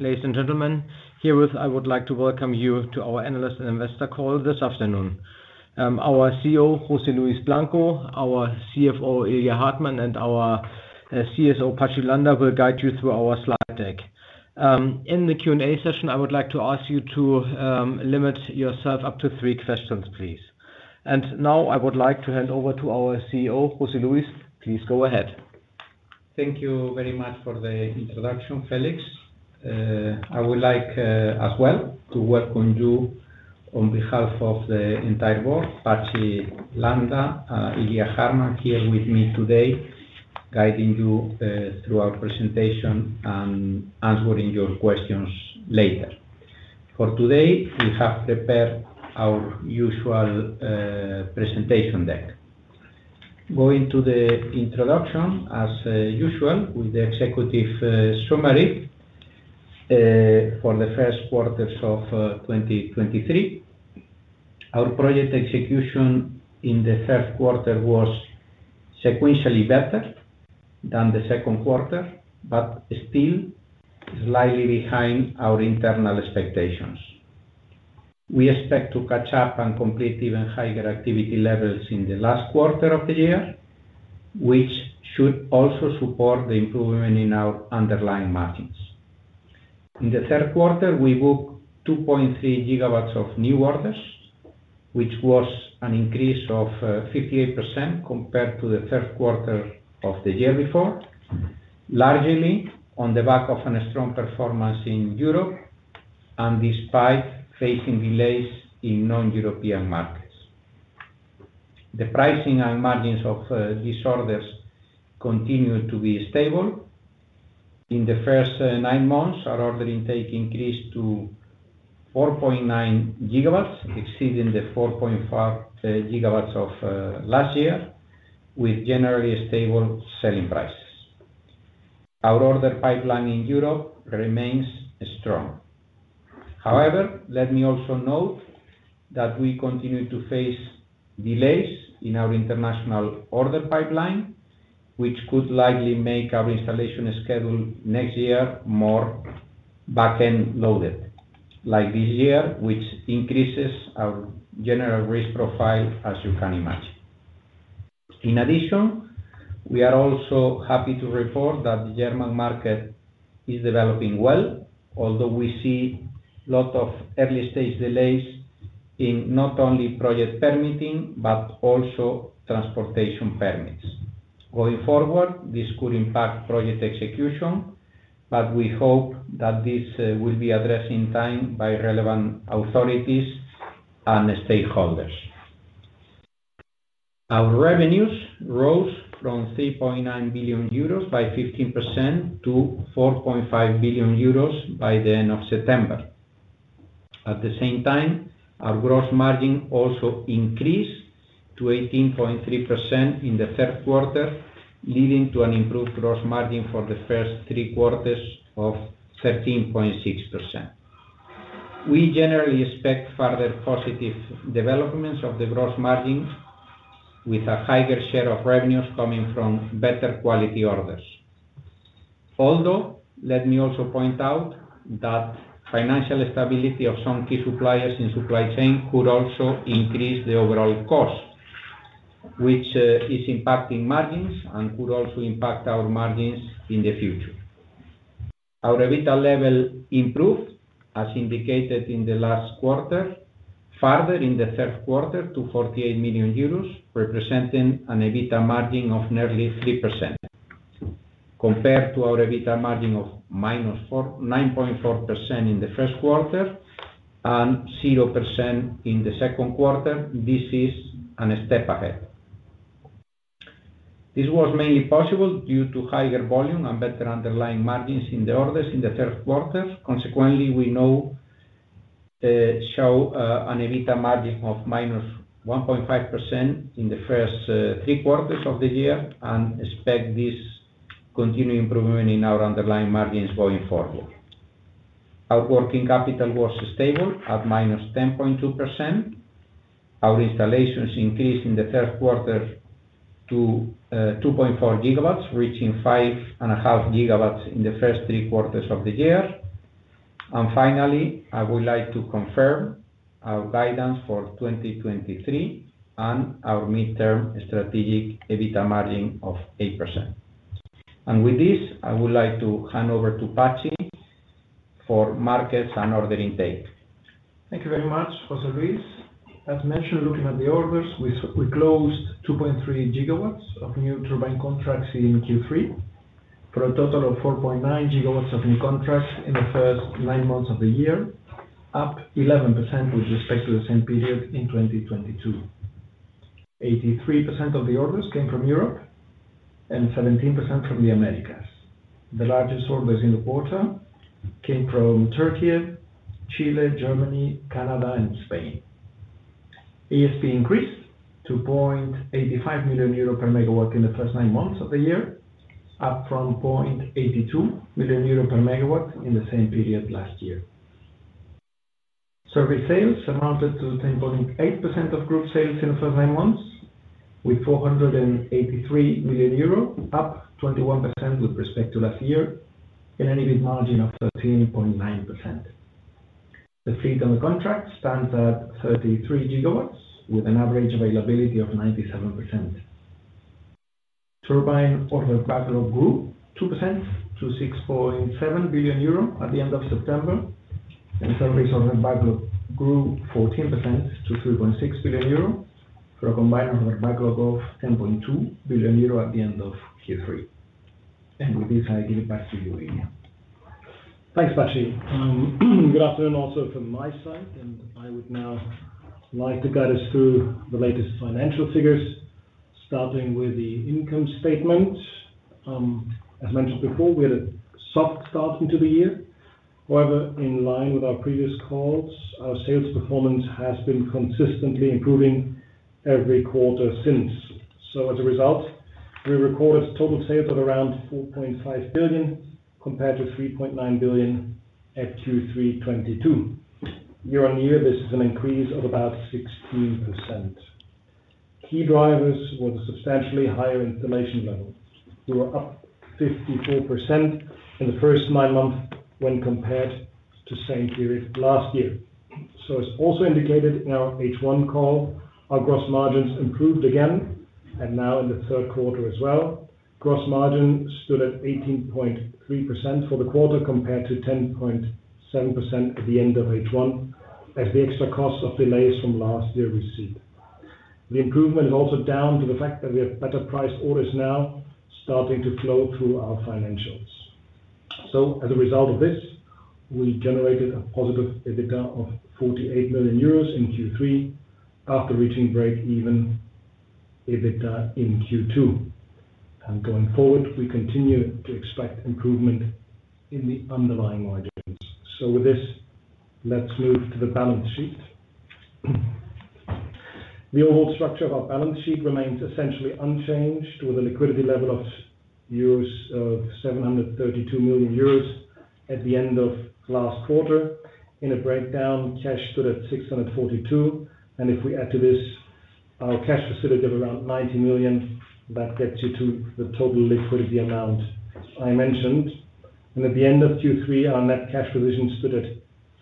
Ladies and gentlemen, I would like to welcome you to our Analyst and Investor Call this afternoon. Our CEO, José Luis Blanco, our CFO, Ilya Hartmann, and our CSO, Patxi Landa, will guide you through our slide deck. In the Q&A session, I would like to ask you to limit yourself up to three questions, please. And now, I would like to hand over to our CEO, José Luis. Please go ahead. Thank you very much for the introduction, Felix. I would like, as well, to welcome you on behalf of the entire board, Patxi Landa, Ilya Hartmann, here with me today, guiding you through our presentation and answering your questions later. For today, we have prepared our usual presentation deck. Going to the introduction, as usual, with the executive summary for the first quarters of 2023. Our project execution in the third quarter was sequentially better than the second quarter, but still slightly behind our internal expectations. We expect to catch up and complete even higher activity levels in the last quarter of the year, which should also support the improvement in our underlying margins. In the third quarter, we booked 2.3GW of new orders, which was an increase of fifty-eight percent compared to the third quarter of the year before, largely on the back of a strong performance in Europe and despite facing delays in non-European markets. The pricing and margins of these orders continue to be stable. In the first nine months, our order intake increased to 4.9GW, exceeding the 4.5GW of last year, with generally stable selling prices. Our order pipeline in Europe remains strong. However, let me also note that we continue to face delays in our international order pipeline, which could likely make our installation schedule next year more back-end loaded, like this year, which increases our general risk profile, as you can imagine. In addition, we are also happy to report that the German market is developing well, although we see a lot of early-stage delays in not only project permitting, but also transportation permits. Going forward, this could impact project execution, but we hope that this will be addressed in time by relevant authorities and stakeholders. Our revenues rose from 3.9 billion euros by 15% to 4.5 billion euros by the end of September. At the same time, our gross margin also increased to 18.3% in the third quarter, leading to an improved gross margin for the first three quarters of 13.6%. We generally expect further positive developments of the gross margin, with a higher share of revenues coming from better quality orders. Although, let me also point out that financial stability of some key suppliers in supply chain could also increase the overall cost, which is impacting margins and could also impact our margins in the future. Our EBITDA level improved, as indicated in the last quarter, further in the third quarter to 48 million euros, representing an EBITDA margin of nearly 3%. Compared to our EBITDA margin of -9.4% in the first quarter and 0% in the second quarter, this is an step ahead. This was mainly possible due to higher volume and better underlying margins in the orders in the third quarter. Consequently, we now show an EBITDA margin of -1.5% in the first three quarters of the year, and expect this continued improvement in our underlying margins going forward. Our working capital was stable at -10.2%. Our installations increased in the third quarter to 2.4GW, reaching 5.5GW in the first three quarters of the year. And finally, I would like to confirm our guidance for 2023 and our midterm strategic EBITDA margin of 8%. And with this, I would like to hand over to Patxi for markets and order intake. Thank you very much, José Luis. As mentioned, looking at the orders, we closed 2.3GW of new turbine contracts in Q3, for a total of 4.9GW of new contracts in the first nine months of the year, up 11% with respect to the same period in 2022. 83% of the orders came from Europe, and 17% from the Americas. The largest orders in the quarter came from Türkiye, Chile, Germany, Canada, and Spain. ASP increased to 0.85 million euro per megawatt in the first nine months of the year, up from 0.82 million euro per megawatt in the same period last year. Service sales amounted to 10.8% of group sales in the first nine months, with 483 million euro, up 21% with respect to last year, and an EBIT margin of 13.9%. The fleet under contract stands at 33 GW, with an average availability of 97%. Turbine order backlog grew 2% to 6.7 billion euro at the end of September, and service order backlog grew 14% to 3.6 billion euro, for a combined order backlog of 10.2 billion euro at the end of Q3. With this, I give it back to you, Ilya. Thanks, Patxi. Good afternoon also from my side, and I would now like to guide us through the latest financial figures, starting with the income statement. As mentioned before, we had a soft start into the year. However, in line with our previous calls, our sales performance has been consistently improving every quarter since. So as a result, we recorded total sales of around 4.5 billion, compared to 3.9 billion at Q3 2022. Year-on-year, this is an increase of about 16%. Key drivers were the substantially higher installation levels. We were up 54% in the first nine months when compared to same period last year. So as also indicated in our H1 call, our gross margins improved again, and now in the third quarter as well. Gross margin stood at 18.3% for the quarter, compared to 10.7% at the end of H1, as the extra cost of delays from last year recede. The improvement is also down to the fact that we have better priced orders now starting to flow through our financials. So as a result of this, we generated a positive EBITDA of 48 million euros in Q3, after reaching breakeven EBITDA in Q2. And going forward, we continue to expect improvement in the underlying margins. So with this, let's move to the balance sheet. The overall structure of our balance sheet remains essentially unchanged, with a liquidity level of 732 million euros at the end of last quarter. In a breakdown, cash stood at 642 million, and if we add to this our cash facility of around 90 million, that gets you to the total liquidity amount I mentioned. At the end of Q3, our net cash position stood at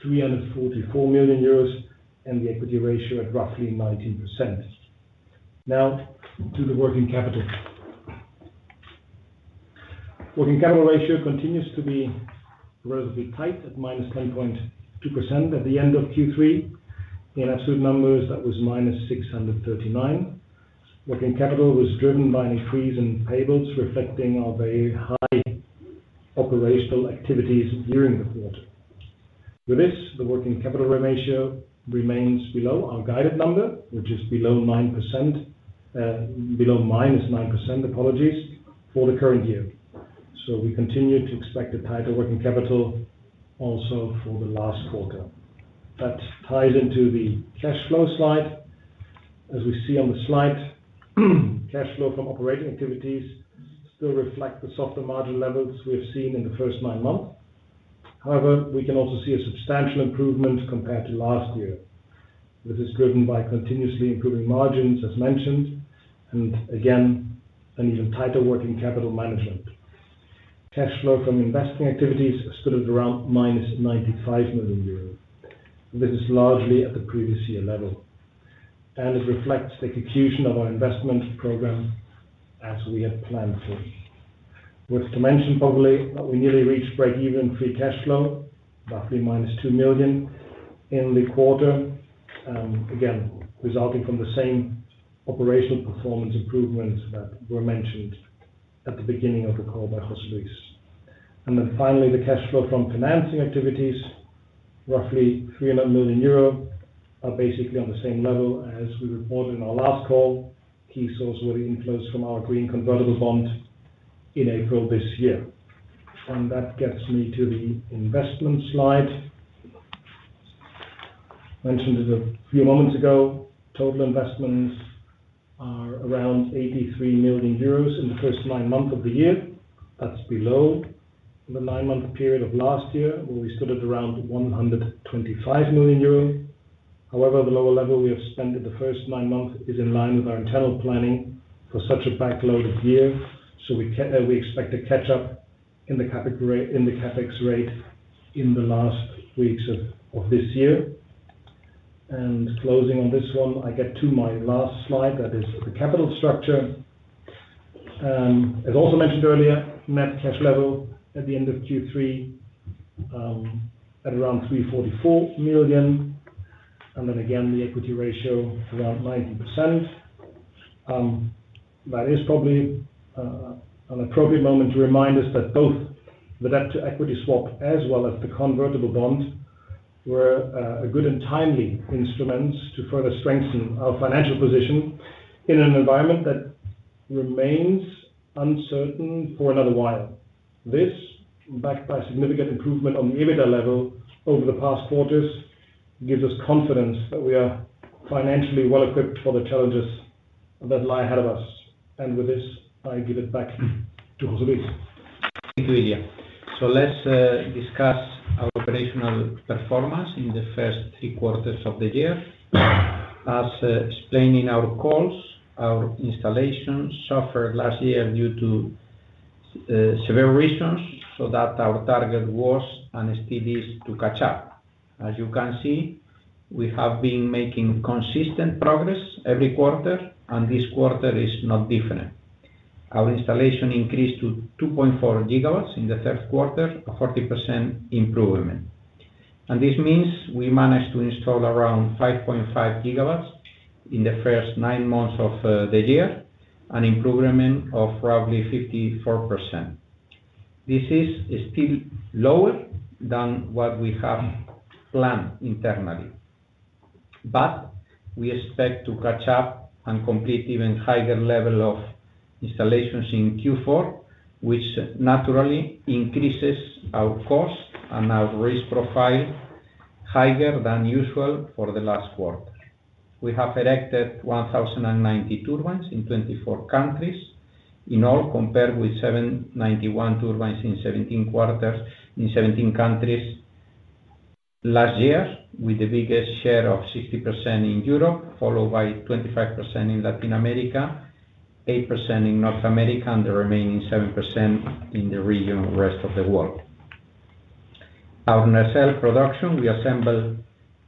344 million euros, and the equity ratio at roughly 19%. Now to the working capital. Working capital ratio continues to be relatively tight, at -9.2% at the end of Q3. In absolute numbers, that was -639 million. Working capital was driven by an increase in payables, reflecting our very high operational activities during the quarter. With this, the working capital ratio remains below our guided number, which is below 9%, below -9%, apologies, for the current year. We continue to expect a tighter working capital also for the last quarter. That ties into the cash flow slide. As we see on the slide, cash flow from operating activities still reflect the softer margin levels we have seen in the first nine months. However, we can also see a substantial improvement compared to last year. This is driven by continuously improving margins, as mentioned, and again, an even tighter working capital management. Cash flow from investing activities stood at around -95 million euros. This is largely at the previous year level, and it reflects the execution of our investment program as we had planned for. Worth to mention, probably, that we nearly reached breakeven free cash flow, roughly -2 million in the quarter. Again, resulting from the same operational performance improvements that were mentioned at the beginning of the call by José Luis. And then finally, the cash flow from financing activities, roughly 300 million euro, are basically on the same level as we reported in our last call. Key source were the inflows from our Green Convertible Bond in April this year. And that gets me to the investment slide. Mentioned it a few moments ago, total investments are around 83 million euros in the first nine months of the year. That's below the nine-month period of last year, where we stood at around 125 million euros. However, the lower level we have spent in the first nine months is in line with our internal planning for such a backloaded year. So we expect to catch up in the capital rate, in the CapEx rate in the last weeks of this year. Closing on this one, I get to my last slide, that is the capital structure. As also mentioned earlier, net cash level at the end of Q3 at around 344 million, and then again, the equity ratio around 90%. That is probably an appropriate moment to remind us that both the debt to equity swap, as well as the convertible bond, were a good and timely instruments to further strengthen our financial position in an environment that remains uncertain for another while. This, backed by significant improvement on the EBITDA level over the past quarters, gives us confidence that we are financially well-equipped for the challenges that lie ahead of us. With this, I give it back to José Luis. Thank you, Ilya. So let's discuss our operational performance in the first three quarters of the year. As explained in our calls, our installations suffered last year due to several reasons, so that our target was and still is to catch up. As you can see, we have been making consistent progress every quarter, and this quarter is not different. Our installation increased to 2.4GW in the third quarter, a 40% improvement. And this means we managed to install around 5.5GW in the first nine months of the year, an improvement of roughly 54%. This is still lower than what we have planned internally, but we expect to catch up and complete even higher level of installations in Q4, which naturally increases our cost and our risk profile higher than usual for the last quarter. We have erected 1,090 turbines in 24 countries. In all, compared with 791 turbines in 17 countries last year, with the biggest share of 60% in Europe, followed by 25% in Latin America, 8% in North America, and the remaining 7% in the region of rest of the world. Our nacelle production, we assembled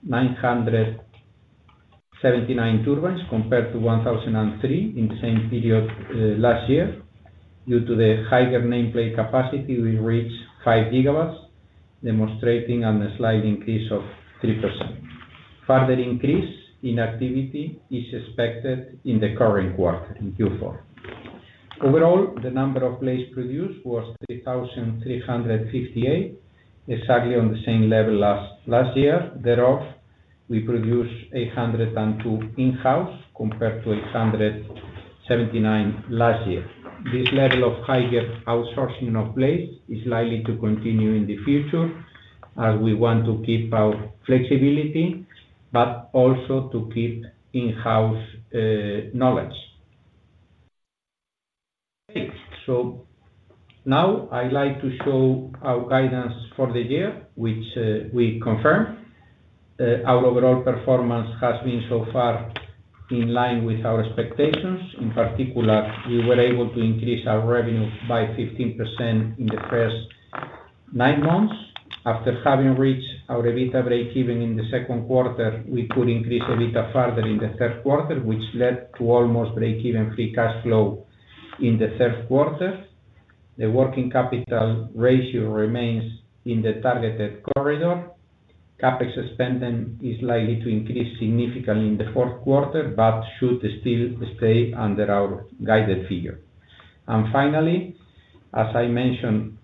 979 turbines, compared to 1,003 in the same period last year. Due to the higher nameplate capacity, we reached 5 GW, demonstrating on a slight increase of 3%. Further increase in activity is expected in the current quarter, in Q4. Overall, the number of blades produced was 3,358, exactly on the same level as last year. Thereof, we produced 802 in-house, compared to 879 last year. This level of higher outsourcing of blades is likely to continue in the future, as we want to keep our flexibility, but also to keep in-house knowledge. So now I'd like to show our guidance for the year, which we confirm. Our overall performance has been so far in line with our expectations. In particular, we were able to increase our revenue by 15% in the first nine months. After having reached our EBITDA breakeven in the second quarter, we could increase EBITDA further in the third quarter, which led to almost breakeven free cash flow in the third quarter. The working capital ratio remains in the targeted corridor. CapEx spending is likely to increase significantly in the fourth quarter, but should still stay under our guided figure. And finally, as I mentioned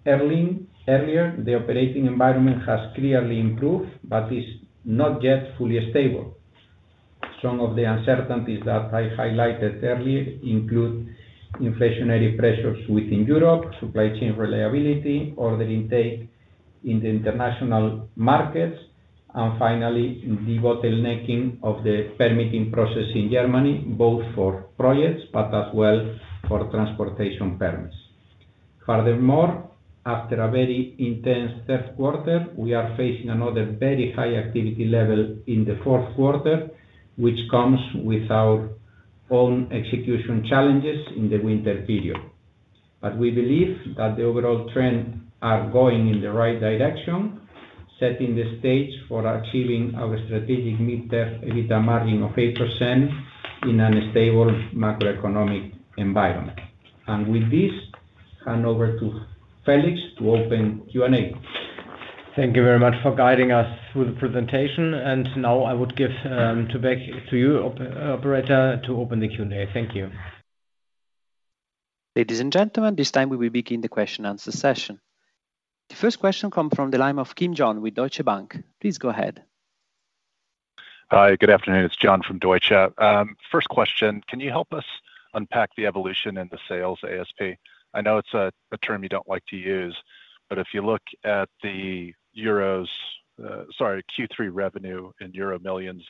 earlier, the operating environment has clearly improved but is not yet fully stable. Some of the uncertainties that I highlighted earlier include inflationary pressures within Europe, supply chain reliability, order intake in the international markets, and finally, the bottlenecking of the permitting process in Germany, both for projects, but as well for transportation permits. Furthermore, after a very intense third quarter, we are facing another very high activity level in the fourth quarter, which comes with our own execution challenges in the winter period. But we believe that the overall trend are going in the right direction, setting the stage for achieving our strategic mid-term EBITDA margin of 8% in a stable macroeconomic environment. And with this, hand over to Felix to open Q&A. Thank you very much for guiding us through the presentation. And now I would give to back to you, operator, to open the Q&A. Thank you. Ladies and gentlemen, this time we will begin the question-and-answer session. The first question comes from the line of John Kim with Deutsche Bank. Please go ahead. Hi, good afternoon. It's John from Deutsche. First question, can you help us unpack the evolution in the sales ASP? I know it's a term you don't like to use, but if you look at the euros, Q3 revenue in euro millions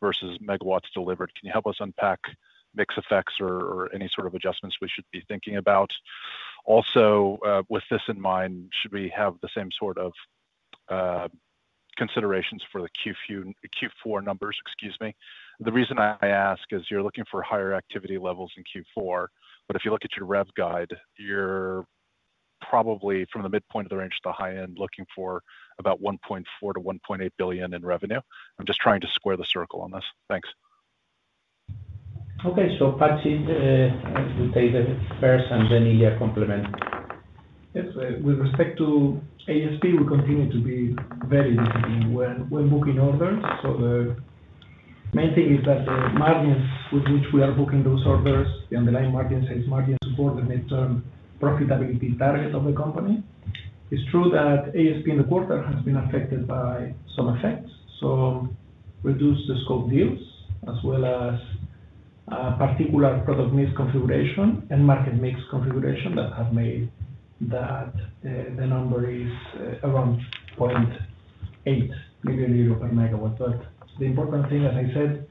versus megawatts delivered, can you help us unpack mix effects or any sort of adjustments we should be thinking about? Also, with this in mind, should we have the same sort of considerations for the Q4 numbers? Excuse me. The reason I ask is you're looking for higher activity levels in Q4, but if you look at your rev guide, you're probably from the midpoint of the range to the high end, looking for about 1.4 billion-1.8 billion in revenue. I'm just trying to square the circle on this. Thanks. Okay. So Patxi will take the first, and then Ilya complement. Yes. With respect to ASP, we continue to be very disciplined when booking orders. So the main thing is that the margins with which we are booking those orders, the underlying margin, sales margin, support the mid-term profitability target of the company. It's true that ASP in the quarter has been affected by some effects, so reduce the scope deals, as well as particular product mix configuration and market mix configuration that have made that the number is around point 8 million euro per MW. But the important thing, as I said,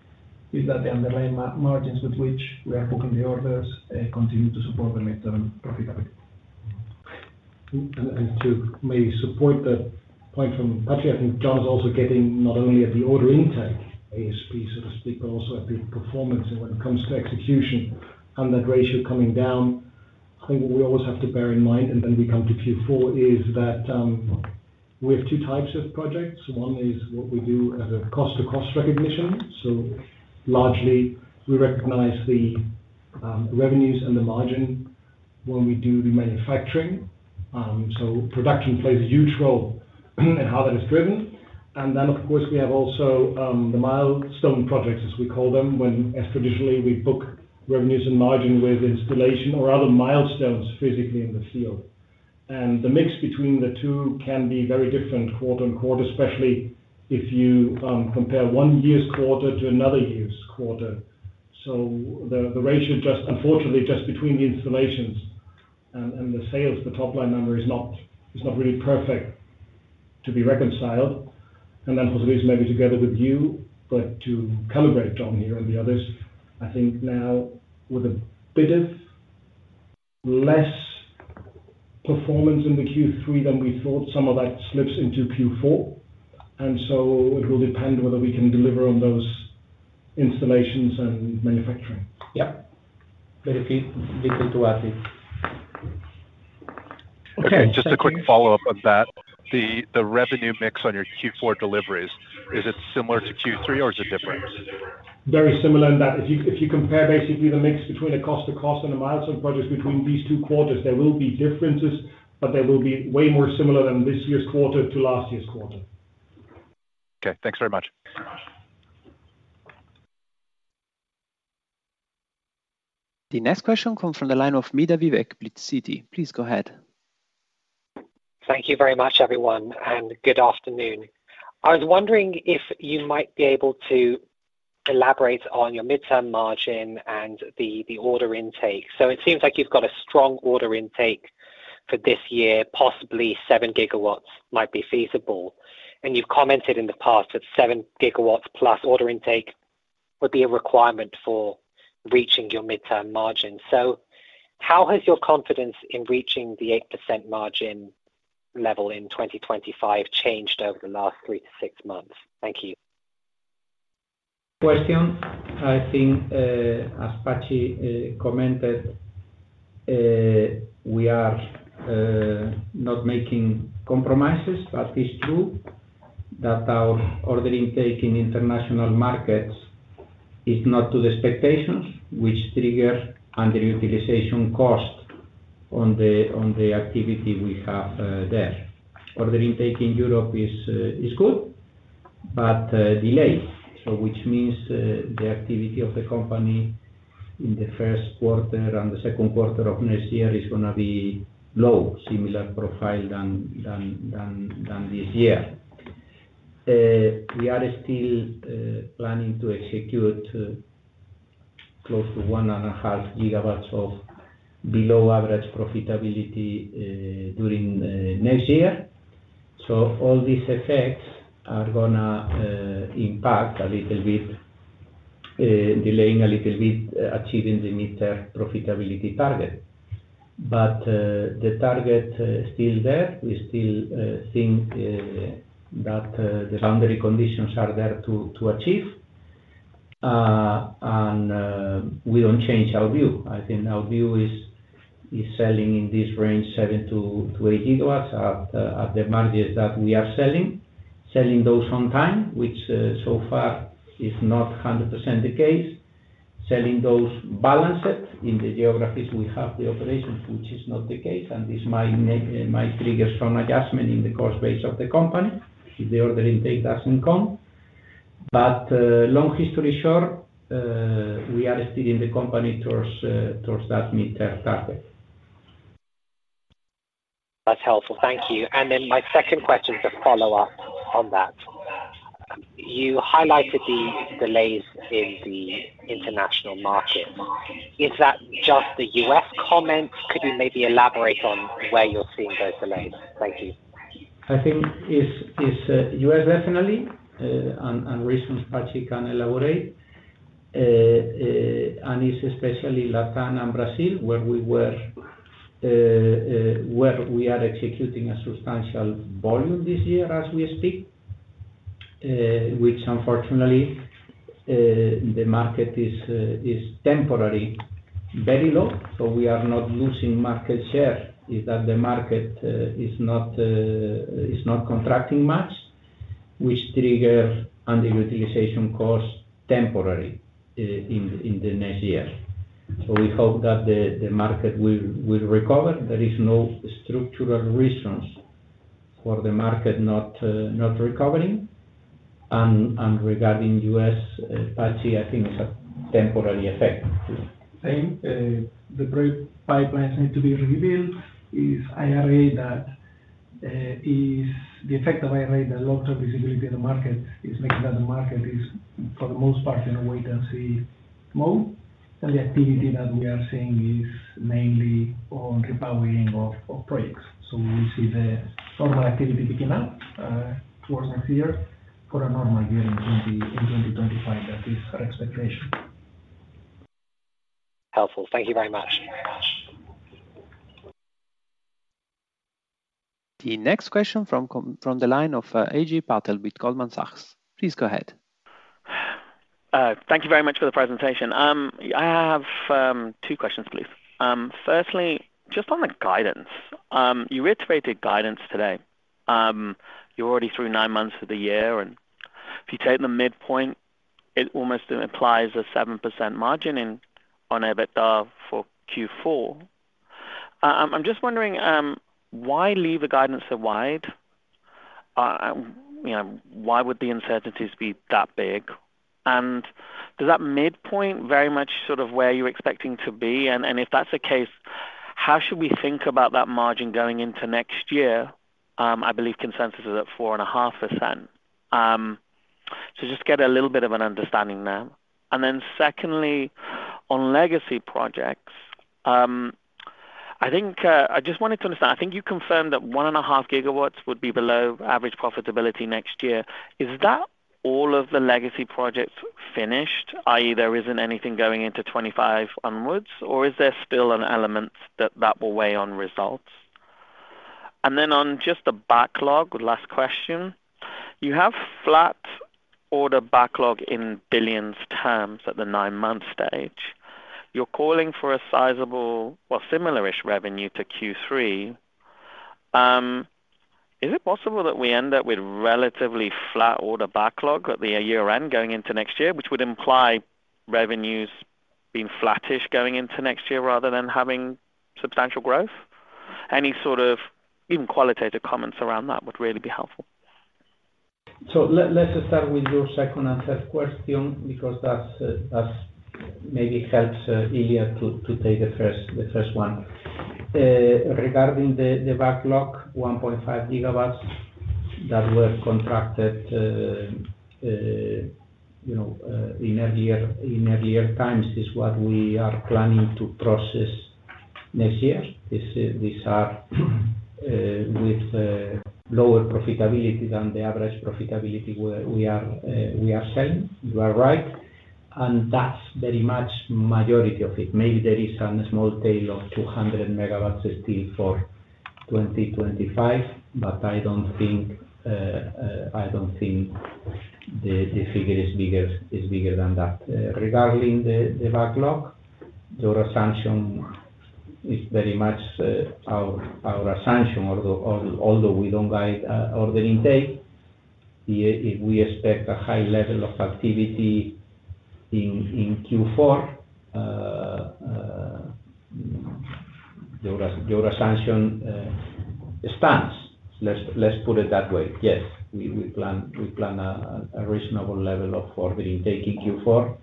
is that the underlying margins with which we are booking the orders continue to support the midterm profitability. To maybe support that point from Patxi, I think John is also getting not only at the order intake ASP, so to speak, but also at the performance and when it comes to execution and that ratio coming down. I think what we always have to bear in mind, and then we come to Q4, is that we have two types of projects. One is what we do as a cost-to-cost recognition. So largely, we recognize the revenues and the margin when we do the manufacturing. So production plays a huge role in how that is driven. And then, of course, we have also the milestone projects, as we call them, when as traditionally, we book revenues and margin with installation or other milestones physically in the field. The mix between the two can be very different quarter and quarter, especially if you compare one year's quarter to another year's quarter. So the ratio, unfortunately, between the installations and the sales, the top line number is not really perfect to be reconciled. And then, of course, Luis, maybe together with you, but to calibrate John here and the others, I think now with a bit of less performance in the Q3 than we thought, some of that slips into Q4, and so it will depend whether we can deliver on those installations and manufacturing. Yeah. But if you need to add it. Okay, just a quick follow-up on that. The revenue mix on your Q4 deliveries, is it similar to Q3, or is it different? Very similar in that if you, if you compare basically the mix between the cost-to-cost and the milestone projects between these two quarters, there will be differences, but they will be way more similar than this year's quarter to last year's quarter. Okay, thanks very much. The next question comes from the line of Vivek Midha, Citi. Please go ahead. Thank you very much, everyone, and good afternoon. I was wondering if you might be able to elaborate on your midterm margin and the order intake. So it seems like you've got a strong order intake for this year, possibly 7GW might be feasible. And you've commented in the past that 7GW+ order intake would be a requirement for reaching your midterm margin. So how has your confidence in reaching the 8% margin level in 2025 changed over the last 3-6 months? Thank you. Question, I think, as Patxi commented, we are not making compromises, but it's true that our order intake in international markets is not to the expectations which trigger underutilization cost on the activity we have there. Order intake in Europe is good, but delayed. So which means the activity of the company in the first quarter and the second quarter of next year is gonna be low, similar profile than this year. We are still planning to execute close to 1.5GW of below-average profitability during next year. So all these effects are gonna impact a little bit, delaying a little bit achieving the midterm profitability target. But the target is still there. We still think that the boundary conditions are there to achieve. We don't change our view. I think our view is selling in this range, 7GW-8GW at the margins that we are selling. Selling those on time, which so far is not 100% the case. Selling those balanced in the geographies we have the operations, which is not the case, and this might make, might trigger some adjustment in the cost base of the company if the order intake doesn't come. But long story short, we are still in the company towards that midterm target. That's helpful. Thank you. And then my second question is a follow-up on that. You highlighted the delays in the international market. Is that just the U.S. comment? Could you maybe elaborate on where you're seeing those delays? Thank you. I think it's U.S., definitely, and reasons Patxi can elaborate. And it's especially Latin and Brazil, where we are executing a substantial volume this year as we speak, which unfortunately the market is temporarily very low, so we are not losing market share. That is, the market is not contracting much, which triggers underutilization costs temporary in the next year. So we hope that the market will recover. There is no structural reasons for the market not recovering. And regarding U.S., Patxi, I think it's a temporary effect too. Same, the project pipelines need to be rebuilt. If IRA, that is the effect of IRA, the long-term visibility in the market is making that the market is, for the most part, in a wait-and-see mode and the activity that we are seeing is mainly on repowering of projects. So we will see the normal activity picking up towards next year for a normal year in 2025. That is our expectation. Helpful. Thank you very much. The next question from the line of Ajay Patel with Goldman Sachs. Please go ahead. Thank you very much for the presentation. I have two questions, please. Firstly, just on the guidance. You reiterated guidance today. You're already through nine months of the year, and if you take the midpoint, it almost implies a 7% margin in, on EBITDA for Q4. I'm just wondering why leave the guidance so wide? You know, why would the uncertainties be that big? And does that midpoint very much sort of where you're expecting to be? And if that's the case, how should we think about that margin going into next year? I believe consensus is at 4.5%. So just get a little bit of an understanding there. And then secondly, on legacy projects. I just wanted to understand, I think you confirmed that 1.5GW would be below average profitability next year. Is that all of the legacy projects finished, i.e., there isn't anything going into 25 onwards, or is there still an element that will weigh on results? And then on just the backlog, last question. You have flat order backlog in billions terms at the nine-month stage. You're calling for a sizable or similar-ish revenue to Q3. Is it possible that we end up with relatively flat order backlog at the year-end going into next year, which would imply revenues being flattish going into next year rather than having substantial growth? Any sort of even qualitative comments around that would really be helpful. So let, let's start with your second and third question, because that's, that's maybe helps, Ilya to, to take the first, the first one. Regarding the backlog, 1.5GW that were contracted times is what we are planning to process next year. These are, with, lower profitability than the average profitability where we are, we are selling. You are right, and that's very much majority of it. Maybe there is a small tail of 200MW still for 2025, but I don't think the figure is bigger than that. Regarding the backlog, your assumption is very much, our assumption, although we don't guide, order intake. Yeah, if we expect a high level of activity in Q4, your assumption stands. Let's put it that way. Yes, we plan a reasonable level of order intake in Q4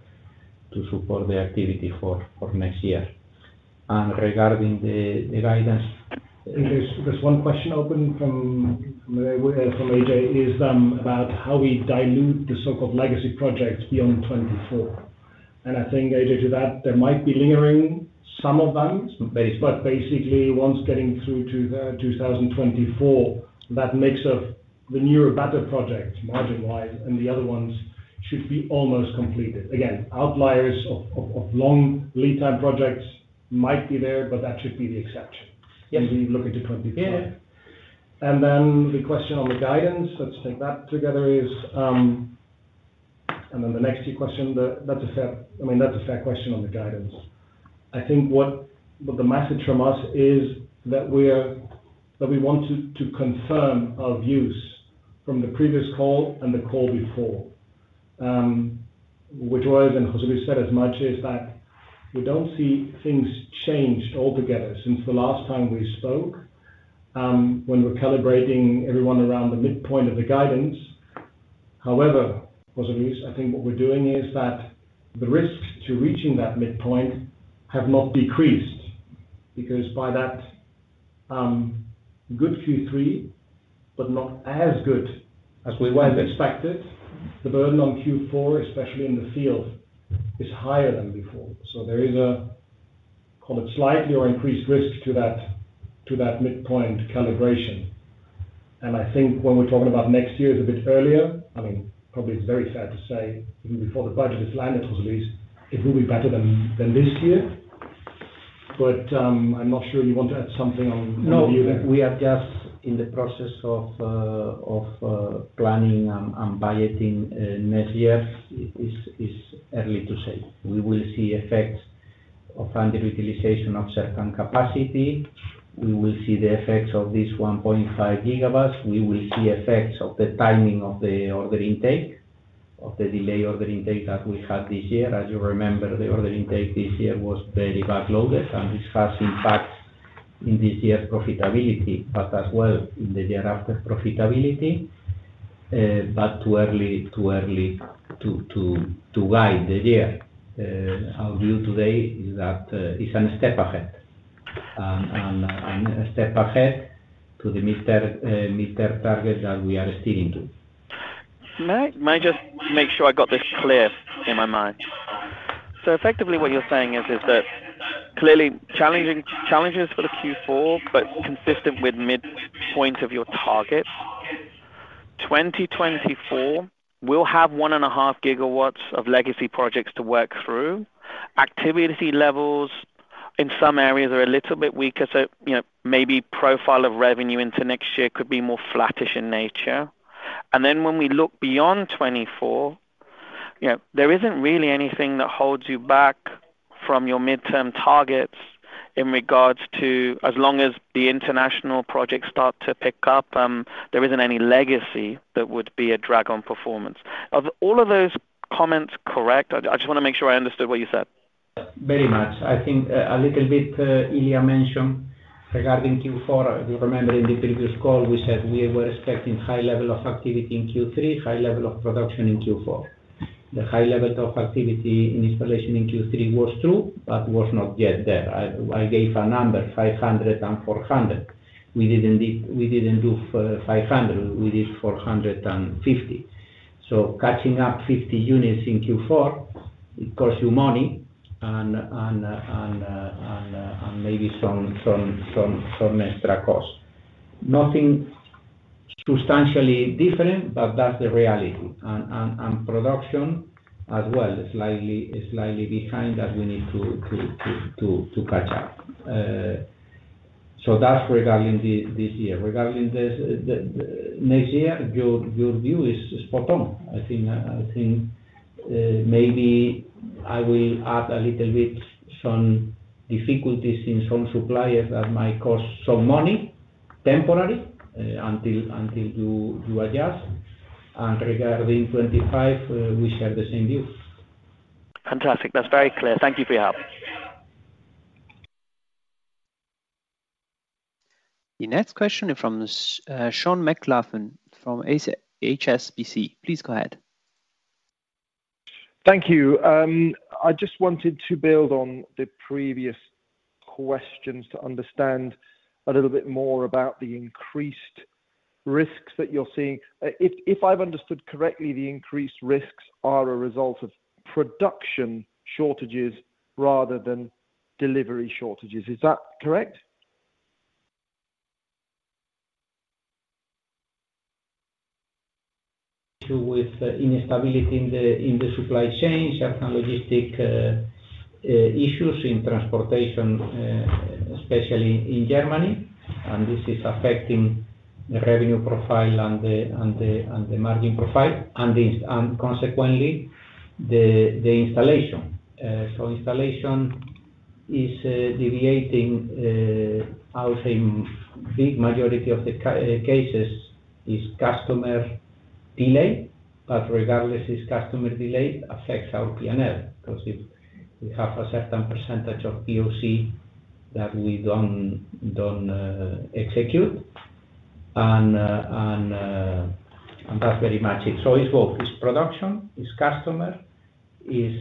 to support the activity for next year. There's one question open from AJ about how we dilute the so-called legacy projects beyond 2024. And I think, AJ, to that, there might be lingering some of them. But basically, once getting through to 2024, that makes up the newer better projects, margin-wise, and the other ones should be almost completed. Again, outliers of long lead time projects might be there, but that should be the exception as we look into 2025. And then the question on the guidance, let's take that together, is. And then the next key question, that's a fair. I mean, that's a fair question on the guidance. I think what the message from us is that we're that we want to confirm our views from the previous call and the call before, which was, and José said as much, is that we don't see things changed altogether since the last time we spoke, when we're calibrating everyone around the midpoint of the guidance. However, José Luis, I think what we're doing is that the risks to reaching that midpoint have not decreased, because by that good Q3, but not as good as we well expected, the burden on Q4, especially in the field, is higher than before. So there is a, call it, slightly or increased risk to that, to that midpoint calibration. And I think when we're talking about next year is a bit earlier, I mean, probably it's very fair to say, even before the budget is lined, José Luis, it will be better than, than this year. But, I'm not sure you want to add something on, on view there. No, we are just in the process of planning and budgeting next year. It is early to say. We will see effects of underutilization of certain capacity. We will see the effects of this 1.5GW. We will see effects of the timing of the order intake, of the delay order intake that we had this year. As you remember, the order intake this year was very backloaded, and this has impacts in this year's profitability, but as well in the year after profitability, but too early to guide the year. Our view today is that it's a step ahead, and a step ahead to the mid-term target that we are steering to. May I just make sure I got this clear in my mind? So effectively, what you're saying is that clearly challenging for the Q4, but consistent with midpoint of your target. 2024, we'll have 1.5GW of legacy projects to work through. Activity levels in some areas are a little bit weaker, maybe profile of revenue into next year could be more flattish in nature. And then when we look beyond 2024, there isn't really anything that holds you back from your midterm targets in regards to as long as the international projects start to pick up, there isn't any legacy that would be a drag on performance. Are all of those comments correct? I just wanna make sure I understood what you said. Very much. I think, a little bit, Ilya mentioned regarding Q4, if you remember in the previous call, we said we were expecting high level of activity in Q3, high level of production in Q4. The high level of activity in installation in Q3 was true, but was not yet there. I gave a number, 500 and 400. We didn't do 500, we did 450. So catching up 50 units in Q4, it costs you money and maybe some extra cost. Nothing substantially different, but that's the reality. And production as well, slightly behind that we need to catch up. So that's regarding this year. Regarding the next year, your view is spot on. I think, maybe I will add a little bit some difficulties in some suppliers that might cost some money temporarily, until you adjust. Regarding 25, we share the same view. Fantastic. That's very clear. Thank you for your help. The next question is from Sean McLoughlin from HSBC. Please go ahead. Thank you. I just wanted to build on the previous questions to understand a little bit more about the increased risks that you're seeing. If I've understood correctly, the increased risks are a result of production shortages rather than delivery shortages. Is that correct? Due to instability in the supply chain, certain logistics issues in transportation, especially in Germany, and this is affecting the revenue profile and the margin profile, and consequently, the installation. So installation is deviating, I would say, big majority of the cases is customer delay, but regardless, this customer delay affects our P&L. 'Cause if we have a certain percentage of POC that we don't execute, and that's very much it. So it's both, it's production, it's customer, it's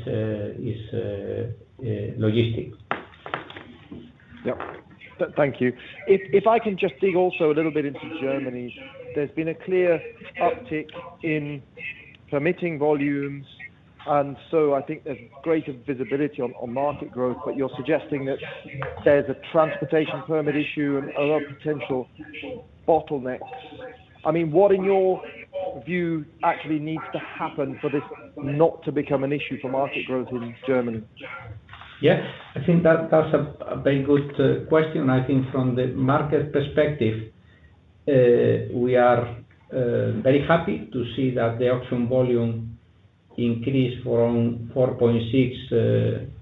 logistics. Yep. Thank you. If I can just dig also a little bit into Germany, there's been a clear uptick in permitting volumes, and so I think there's greater visibility on market growth, but you're suggesting that there's a transportation permit issue and other potential bottlenecks. I mean, what, in your view, actually needs to happen for this not to become an issue for market growth in Germany? Yes, I think that's a very good question. I think from the market perspective, we are very happy to see that the auction volume increased from 4.6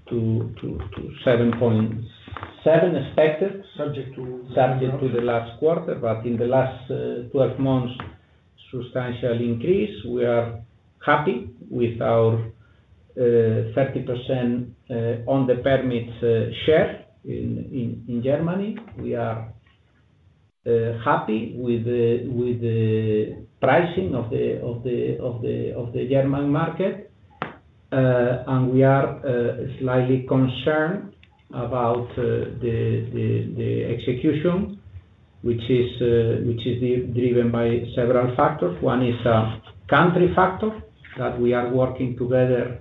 to 7.7 expected subject to the last quarter, but in the last twelve months, substantial increase. We are happy with our 30% on the permits share in Germany. We are happy with the pricing of the German market. And we are slightly concerned about the execution, which is driven by several factors. One is country factor, that we are working together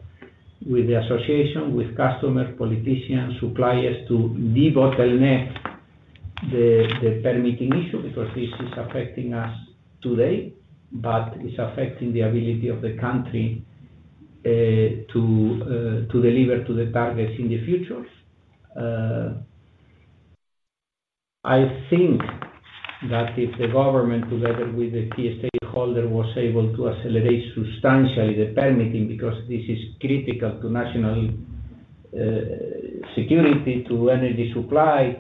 with the association, with customer, politicians, suppliers to debottleneck the permitting issue, because this is affecting us today, but it's affecting the ability of the country to deliver to the targets in the future. I think that if the government, together with the key stakeholder, was able to accelerate substantially the permitting, because this is critical to national security, to energy supply.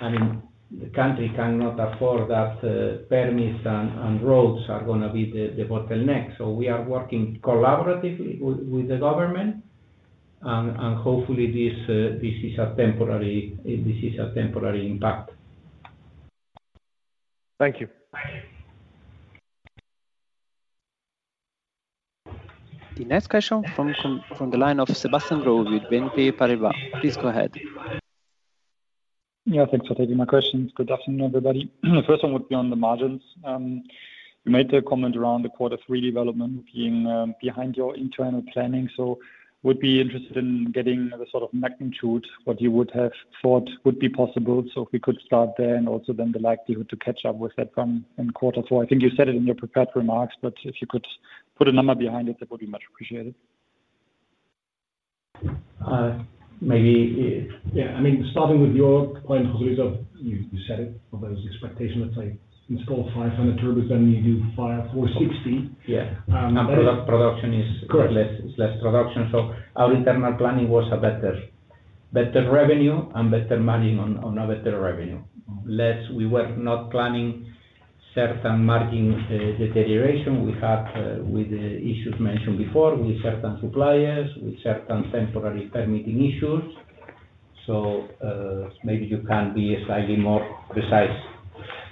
I mean, the country cannot afford that permits and roads are gonna be the bottleneck. So we are working collaboratively with the government, and hopefully this is a temporary impact. Thank you. The next question from the line of Sebastian Growe with BNP Paribas. Please go ahead. Yeah, thanks for taking my questions. Good afternoon, everybody. The first one would be on the margins. You made a comment around the quarter three development being behind your internal planning. So would be interested in getting the sort of magnitude, what you would have thought would be possible. So if we could start there, and also then the likelihood to catch up with that one in quarter four. I think you said it in your prepared remarks, but if you could put a number behind it, that would be much appreciated. Maybe, yeah, I mean, starting with your point, José Luis, you said it, for those expectations, let's say it's called 500 turbos, then you do 5,460. Product production isless, is less production. So our internal planning was a better, better revenue and better money on, on a better revenue. Less, we were not planning certain margin deterioration. We had, with the issues mentioned before, with certain suppliers, with certain temporary permitting issues. So, maybe you can be slightly more precise.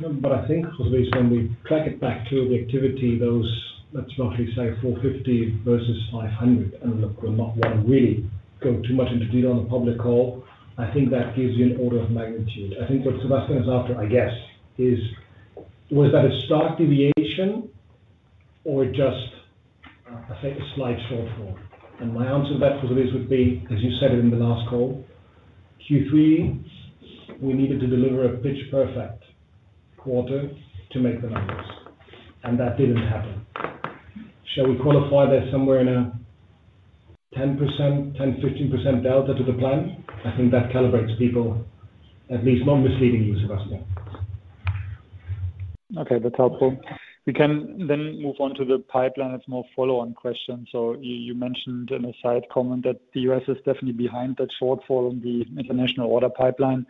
But I think, José Luis, when we track it back to the activity, those, let's roughly say 450 versus 500, and look, we're not wanting to really go too much into detail on the public call. I think that gives you an order of magnitude. I think what Sebastian is after, I guess, is, was that a stark deviation or just a slight shortfall? And my answer to that, José Luis, would be, as you said it in the last call, Q3, we needed to deliver a pitch-perfect quarter to make the numbers, and that didn't happen. Shall we qualify that somewhere in a 10%-15% delta to the plan? I think that calibrates people, at least not misleading you, Sebastian. Okay, that's helpful. We can then move on to the pipeline. It's more follow-on question. So you, you mentioned in a side comment that the U.S. is definitely behind that shortfall on the international order pipeline.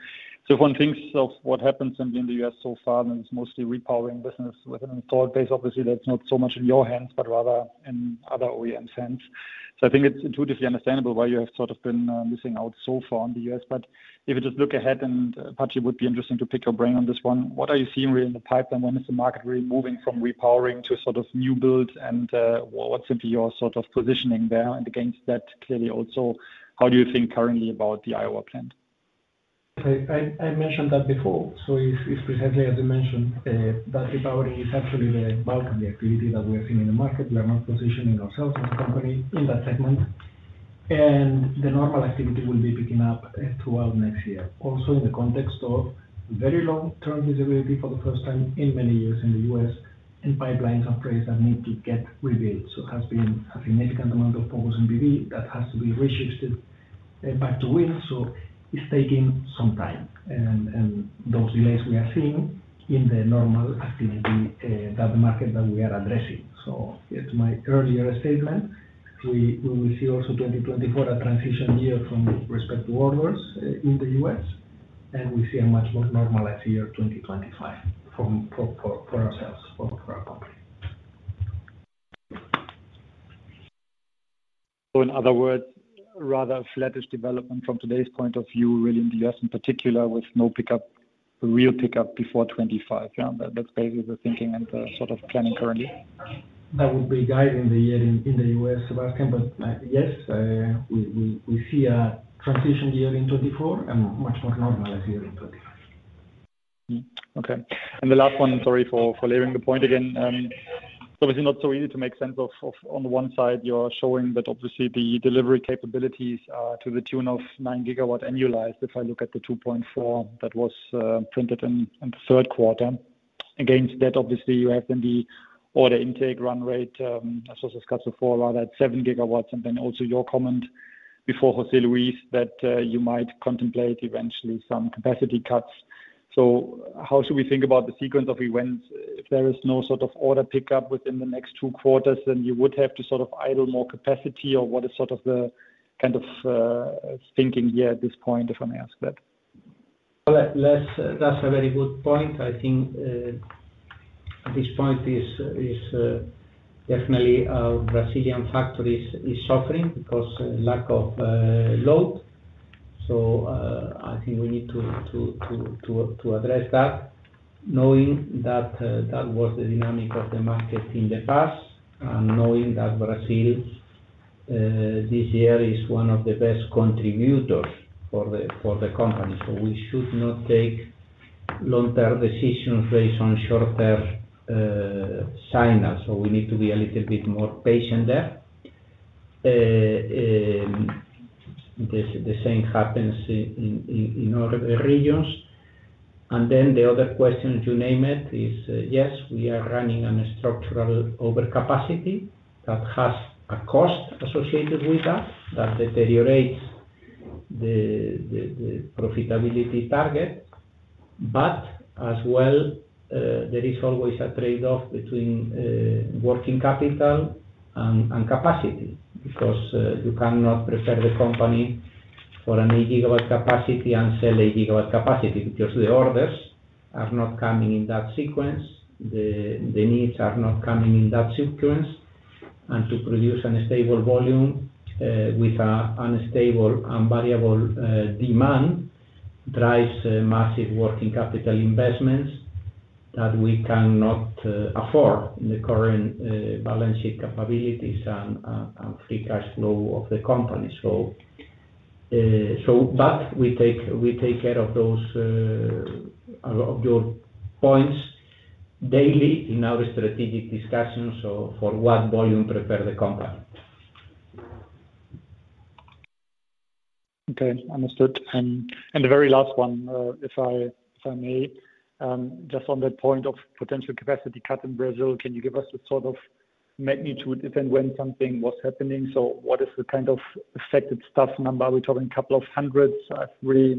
So if one thinks of what happens in the U.S. so far, and it's mostly repowering business within install base, obviously, that's not so much in your hands, but rather in other OEM hands. So I think it's intuitively understandable why you have sort of been missing out so far on the U.S. But if you just look ahead, and probably it would be interesting to pick your brain on this one, what are you seeing really in the pipeline? When is the market really moving from repowering to sort of new builds? And what, what's your sort of positioning there? Against that, clearly also, how do you think currently about the Iowa plant? I mentioned that before, so it's precisely as you mentioned that repowering is actually the bulk of the activity that we are seeing in the market. We are not positioning ourselves as a company in that segment, and the normal activity will be picking up throughout next year. Also, in the context of very long-term visibility for the first time in many years in the U.S., and pipelines operators that need to get rebuilt. So has been a significant amount of focus in PV that has to be reshifted back to wind. So it's taking some time, and those delays we are seeing in the normal activity, that market that we are addressing. So it's my earlier statement. We will see also 2024, a transition year with respect to orders in the US, and we see a much more normalized year, 2025, for ourselves, for our company. In other words, rather flattish development from today's point of view, really in the U.S. in particular, with no pickup, real pickup before 2025. Yeah, that's basically the thinking and the sort of planning currently? That would be guiding the year in the U.S., Sebastian. But yes, we see a transition year in 2024 and much more normalized year in 2025. Okay, and the last one, sorry for leaving the point again. Obviously not so easy to make sense of on the one side, you're showing that obviously the delivery capabilities are to the tune of 9GW annualized. If I look at the 2.4, that was printed in the third quarter. Against that, obviously, you have then the order intake run rate, as also discussed before, rather at 7GW, and then also your comment before, José Luis, that you might contemplate some capacity cuts eventually. How should we think about the sequence of events? If there is no sort of order pickup within the next two quarters, then you would have to sort of idle more capacity, or what is sort of the kind of thinking here at this point, if I may ask that? Well, that's a very good point. I think at this point is definitely our Brazilian factory is suffering because lack of load. So, I think we need to address that, knowing that that was the dynamic of the market in the past and knowing that Brazil this year is one of the best contributors for the company. So we should not take long-term decisions based on short-term signals, so we need to be a little bit more patient there. The same happens in other regions. And then the other question, you name it, is, yes, we are running on a structural overcapacity that has a cost associated with that that deteriorates the profitability target. But as well, there is always a trade-off between working capital and capacity, because you cannot prepare the company for an 8GW capacity and sell 8GW capacity, because the orders are not coming in that sequence, the needs are not coming in that sequence. And to produce a stable volume with an unstable and variable demand drives a massive working capital investments that we cannot afford in the current balance sheet capabilities and free cash flow of the company. But we take, we take care of those of your points daily in our strategic discussions, so for what volume prepare the company. Okay, understood. And, and the very last one, if I may, just on that point of potential capacity cut in Brazil, can you give us a magnitude, if and when something was happening? So what is the affected staff number? We're talking a couple of hundreds. I have real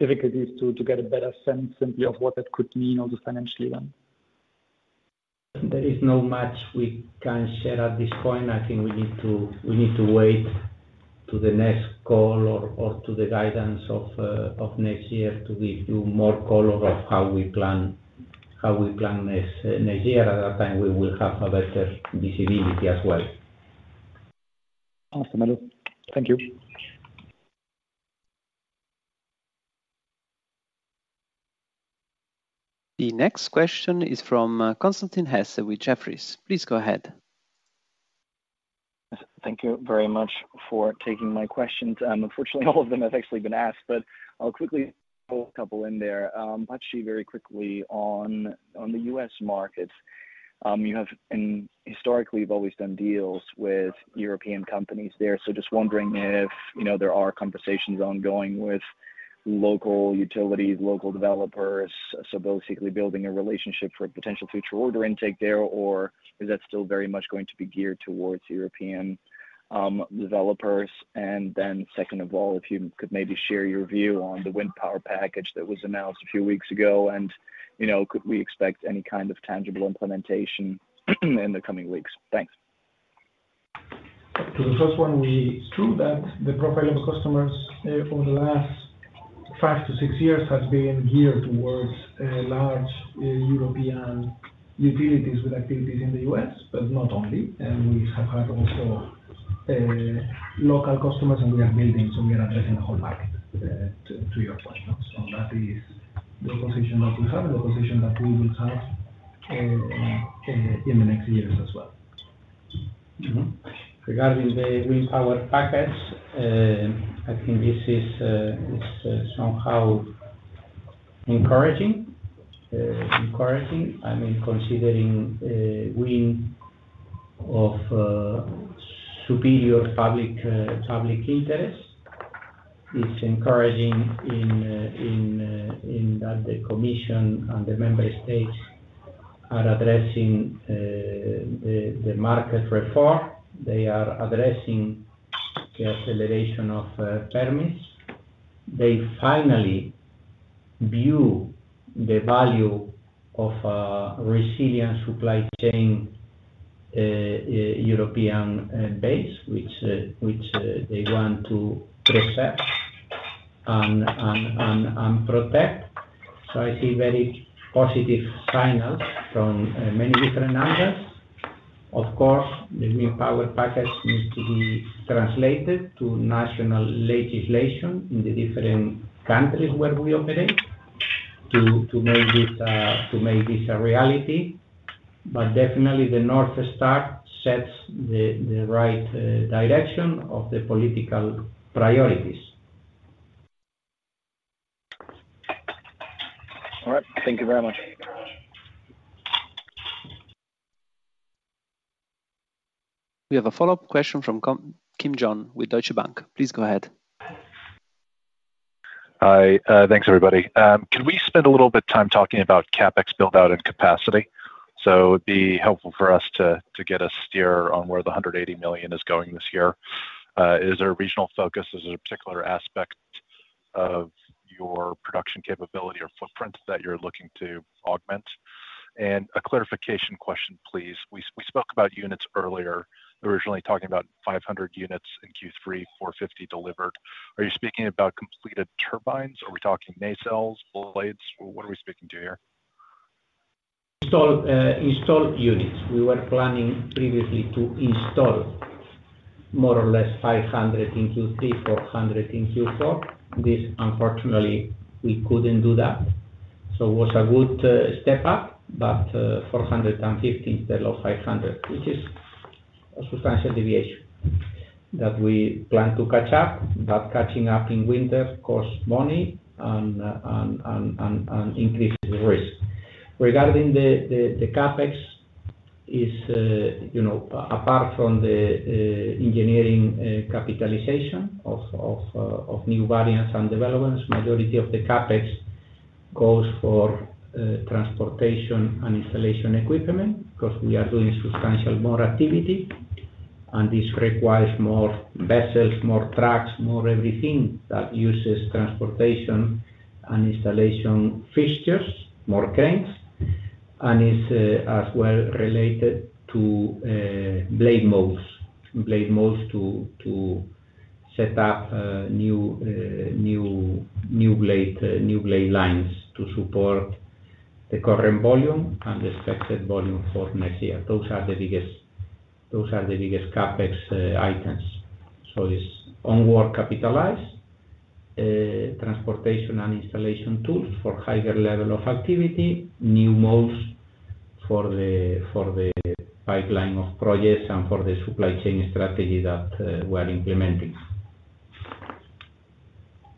difficulties to get a better sense simply of what that could mean on the financially then. There is no much we can share at this point. I think we need to, we need to wait to the next call or, or to the guidance of, of next year to give you more color of how we plan, how we plan next, next year. At that time, we will have a better visibility as well. Awesome. Thank you. The next question is from Constantin Hesse with Jefferies. Please go ahead. Thank you very much for taking my questions. Unfortunately, all of them have actually been asked, but I'll quickly throw a couple in there. But actually very quickly on the US markets, you have and historically, you've always done deals with European companies there. So just wondering if, you know, there are conversations ongoing with local utilities, local developers, so basically building a relationship for a potential future order intake there, or is that still very much going to be geared towards European developers? And then second of all, if you could maybe share your view on the Wind Power Package that was announced a few weeks ago, and, you know, could we expect any kind of tangible implementation in the coming weeks? Thanks. To the first one, it's true that the profile of customers over the last 5-6 years has been geared towards large European utilities with activities in the U.S., but not only, and we have had also local customers, and we are building, so we are addressing the whole package to your question. So that is the position that we have and the position that we will have in the next years as well. Mm-hmm. Regarding the Wind Power Package, I think this is somewhat encouraging. I mean, considering wind of superior public interest. It's encouraging in that the Commission and the member states are addressing the market reform. They are addressing the acceleration of permits. They finally view the value of a resilient supply chain, European base, which they want to preserve and protect. So I see very positive signals from many different angles. Of course, the Wind Power Package needs to be translated to national legislation in the different countries where we operate, to make this a reality. But definitely the North Star sets the right direction of the political priorities. All right. Thank you very much. We have a follow-up question from John Kim with Deutsche Bank. Please go ahead. Hi. Thanks, everybody. Can we spend a little bit time talking about CapEx build-out and capacity? So it'd be helpful for us to get a steer on where the 180 million is going this year. Is there a regional focus? Is there a particular aspect of your production capability or footprint that you're looking to augment? And a clarification question, please. We spoke about units earlier, originally talking about 500 units in Q3, 450 delivered. Are you speaking about completed turbines, or are we talking nacelles, blades? What are we speaking to here? Installed units. We were planning previously to install more or less 500 in Q3, 400 in Q4. This, unfortunately, we couldn't do that, so it was a good step up, but 450 instead of 500, which is a substantial deviation that we plan to catch up. But catching up in winter costs money and increases risk. Regarding the CapEx, you know, apart from the engineering capitalization of new variants and developments, majority of the CapEx goes for transportation and installation equipment, because we are doing substantial more activity, and this requires more vessels, more trucks, more everything that uses transportation and installation fixtures, more cranes, and is as well related to blade molds. Blade molds to set up new blade lines to support the current volume and the expected volume for next year. Those are the biggest CapEx items. So it's onward capitalized transportation and installation tools for higher level of activity, new molds for the pipeline of projects and for the supply chain strategy that we are implementing.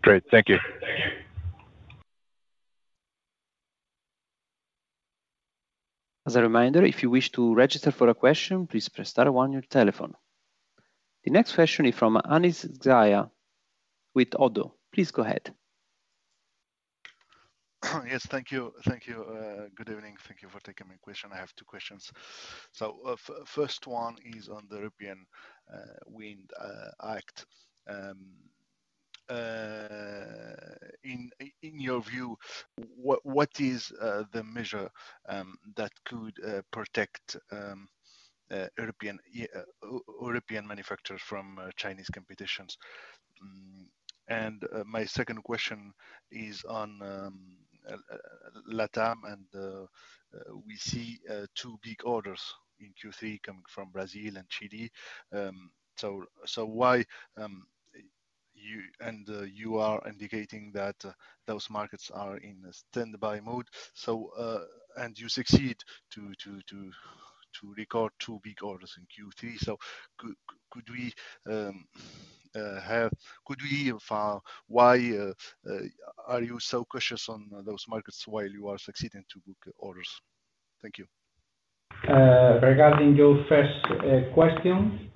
Great. Thank you. Thank you. As a reminder, if you wish to register for a question, please press star one on your telephone. The next question is from Anis Zgaya with ODDO. Please go ahead. Yes, thank you. Thank you. Good evening. Thank you for taking my question. I have two questions. So, first one is on the European Wind Act. In your view, what is the measure that could protect European manufacturers from Chinese competition? And my second question is on Latam and we see two big orders in Q3 coming from Brazil and Chile. And you are indicating that those markets are in a standby mode, so and you succeed to record two big orders in Q3. So could we have- could we hear far why are you so cautious on those markets while you are succeeding to book orders? Thank you. Regarding your first question,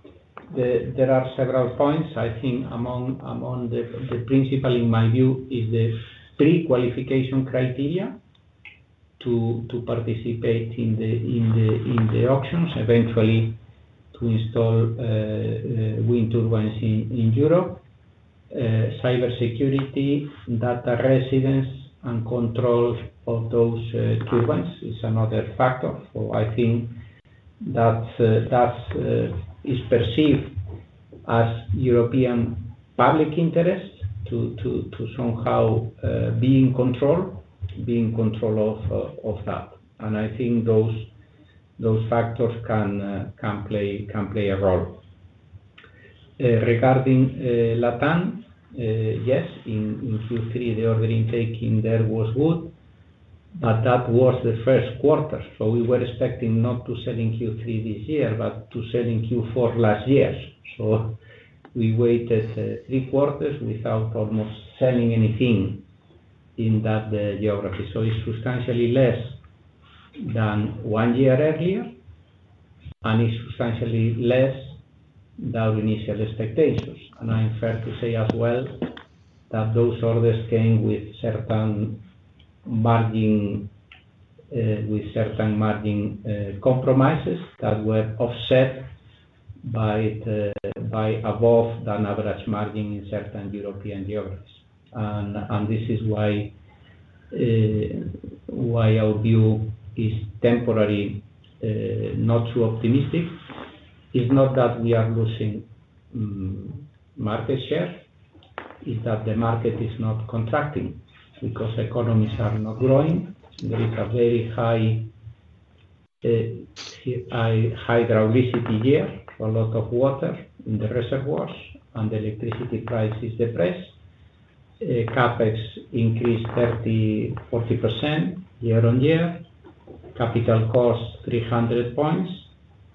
there are several points, I think among the principle, in my view, is the pre-qualification criteria to participate in the auctions, eventually to install wind turbines in Europe. Cybersecurity, data residence, and control of those turbines is another factor. So I think that is perceived as European public interest to somehow be in control of that. And I think those factors can play a role. Regarding Latam, yes, in Q3, the order intake in there was good, but that was the first quarter. So we were expecting not to sell in Q3 this year, but to sell in Q4 last year. So we waited three quarters without almost selling anything in that geography. So it's substantially less than one year earlier, and it's substantially less than our initial expectations. And I'm fair to say as well, that those orders came with certain margin compromises that were offset by above-the-average margin in certain European geographies. And this is why our view is temporarily not too optimistic. It's not that we are losing market share, it's that the market is not contracting because economies are not growing. There is a very high hydroelectricity year, a lot of water in the reservoirs and electricity price is depressed. CapEx increased 30-40% year-on-year, capital cost 300 points.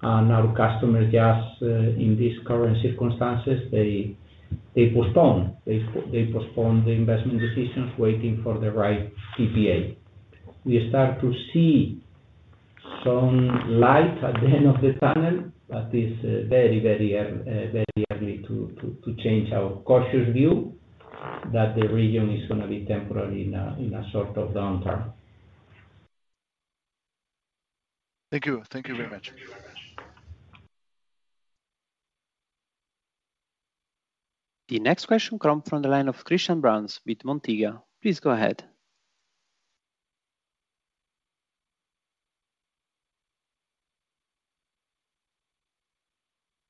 And our customer just in these current circumstances, they postpone. They postpone the investment decisions, waiting for the right PPA. We start to see some light at the end of the tunnel, but it's very, very early to change our cautious view that the region is gonna be temporarily in a sort of downturn. Thank you. Thank you very much. The next question comes from the line of Christian Bruns with Montega. Please go ahead.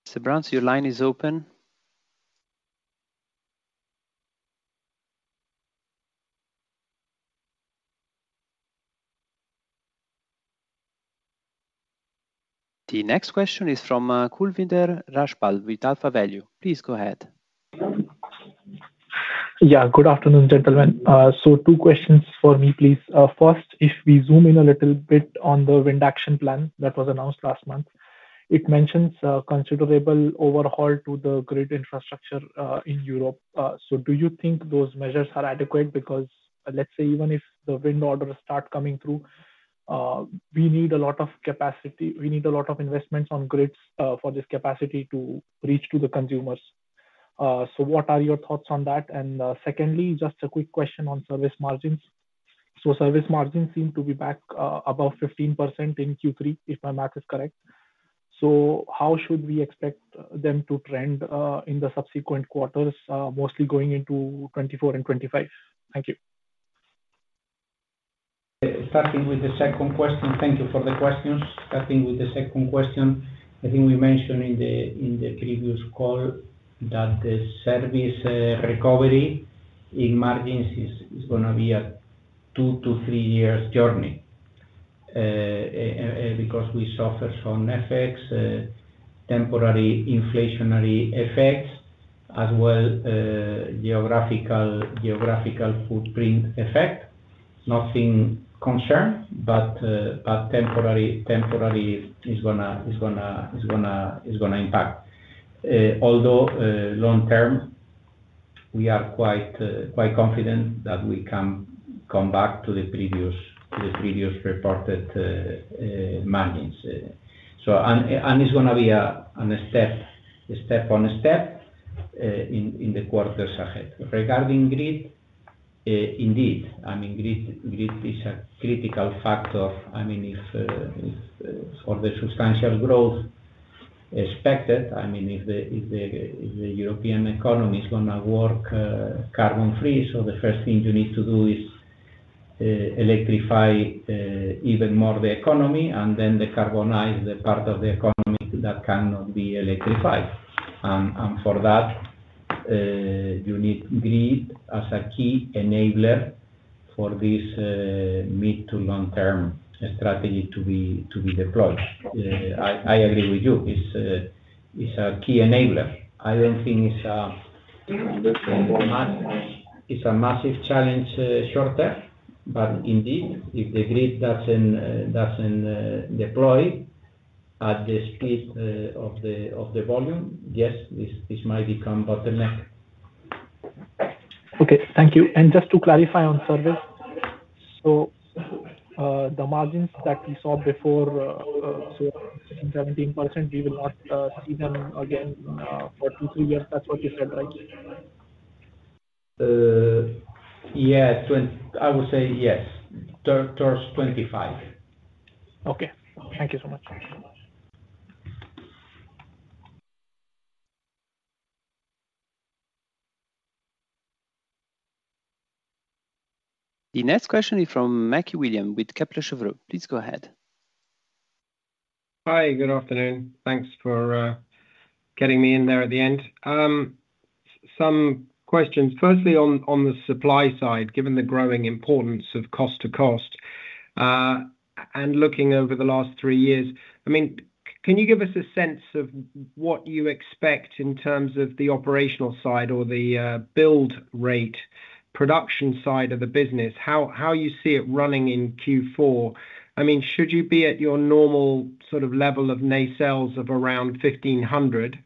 Mr. Bruns, your line is open. The next question is from Kulwinder Rajpal with AlphaValue. Please go ahead. Yeah. Good afternoon, gentlemen. So two questions for me, please. First, if we zoom in a little bit on the Wind Action Plan that was announced last month, it mentions considerable overhaul to the grid infrastructure in Europe. So do you think those measures are adequate? Because let's say even if the wind orders start coming through, we need a lot of capacity, we need a lot of investments on grids for this capacity to reach to the consumers. So what are your thoughts on that? And secondly, just a quick question on service margins. So service margins seem to be back above 15% in Q3, if my math is correct. So how should we expect them to trend in the subsequent quarters, mostly going into 2024 and 2025? Thank you. Starting with the second question. Thank you for the questions. Starting with the second question, I think we mentioned in the previous call that the service recovery in margins is gonna be a 2-3 years journey, because we suffer from effects, temporary inflationary effects, as well, geographical footprint effect. No concern, but temporary is gonna impact. Although long term, we are quite confident that we can come back to the previous reported margins. So and it's gonna be a step-by-step in the quarters ahead. Regarding grid, indeed, I mean, grid is a critical factor. I mean, if for the substantial growth expected, I mean, if the European economy is gonna work carbon free, so the first thing you need to do is electrify even more the economy, and then decarbonize the part of the economy that cannot be electrified. And for that, you need grid as a key enabler for this mid- to long-term strategy to be deployed. I agree with you, it's a key enabler. I don't think it's a massive challenge short-term, but indeed, if the grid doesn't deploy at the speed of the volume, yes, this might become bottleneck. Okay, thank you. And just to clarify on service, so, the margins that we saw before, so 17%, we will not see them again for 2-3 years? That's what you said, right? Yeah. I would say yes, towards 25. Okay. Thank you so much. The next question is from William Mackie with Kepler Cheuvreux. Please go ahead. Hi, good afternoon. Thanks for getting me in there at the end. Some questions. Firstly, on the supply side, given the growing importance of cost to cost, and looking over the last three years, I mean, can you give us a sense of what you expect in terms of the operational side or the build rate, production side of the business? How you see it running in Q4? I mean, should you be at your normal sort of level of nacelles of around 1,500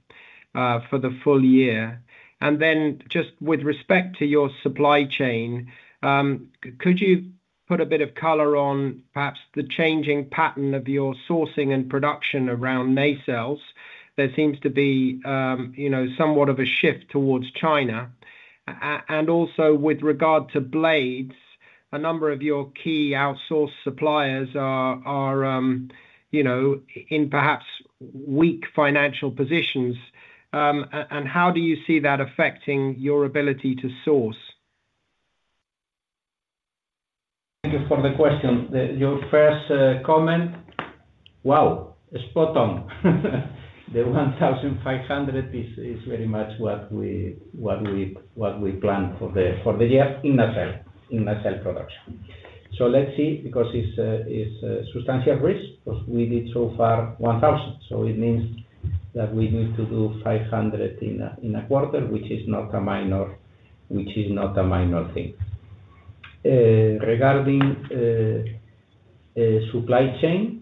for the full year? And then just with respect to your supply chain, could you put a bit of color on perhaps the changing pattern of your sourcing and production around nacelles? There seems to be, you know, somewhat of a shift towards China. And also with regard to blades, a number of your key outsourced suppliers are, you know, in perhaps weak financial positions. And how do you see that affecting your ability to source? Thank you for the question. Your first comment, wow! Spot on. The 1,500 is very much what we planned for the year in nacelle production. So let's see, because it's a substantial risk, because we did so far 1,000. So it means that we need to do 500 in a quarter, which is not a minor thing. Regarding supply chain,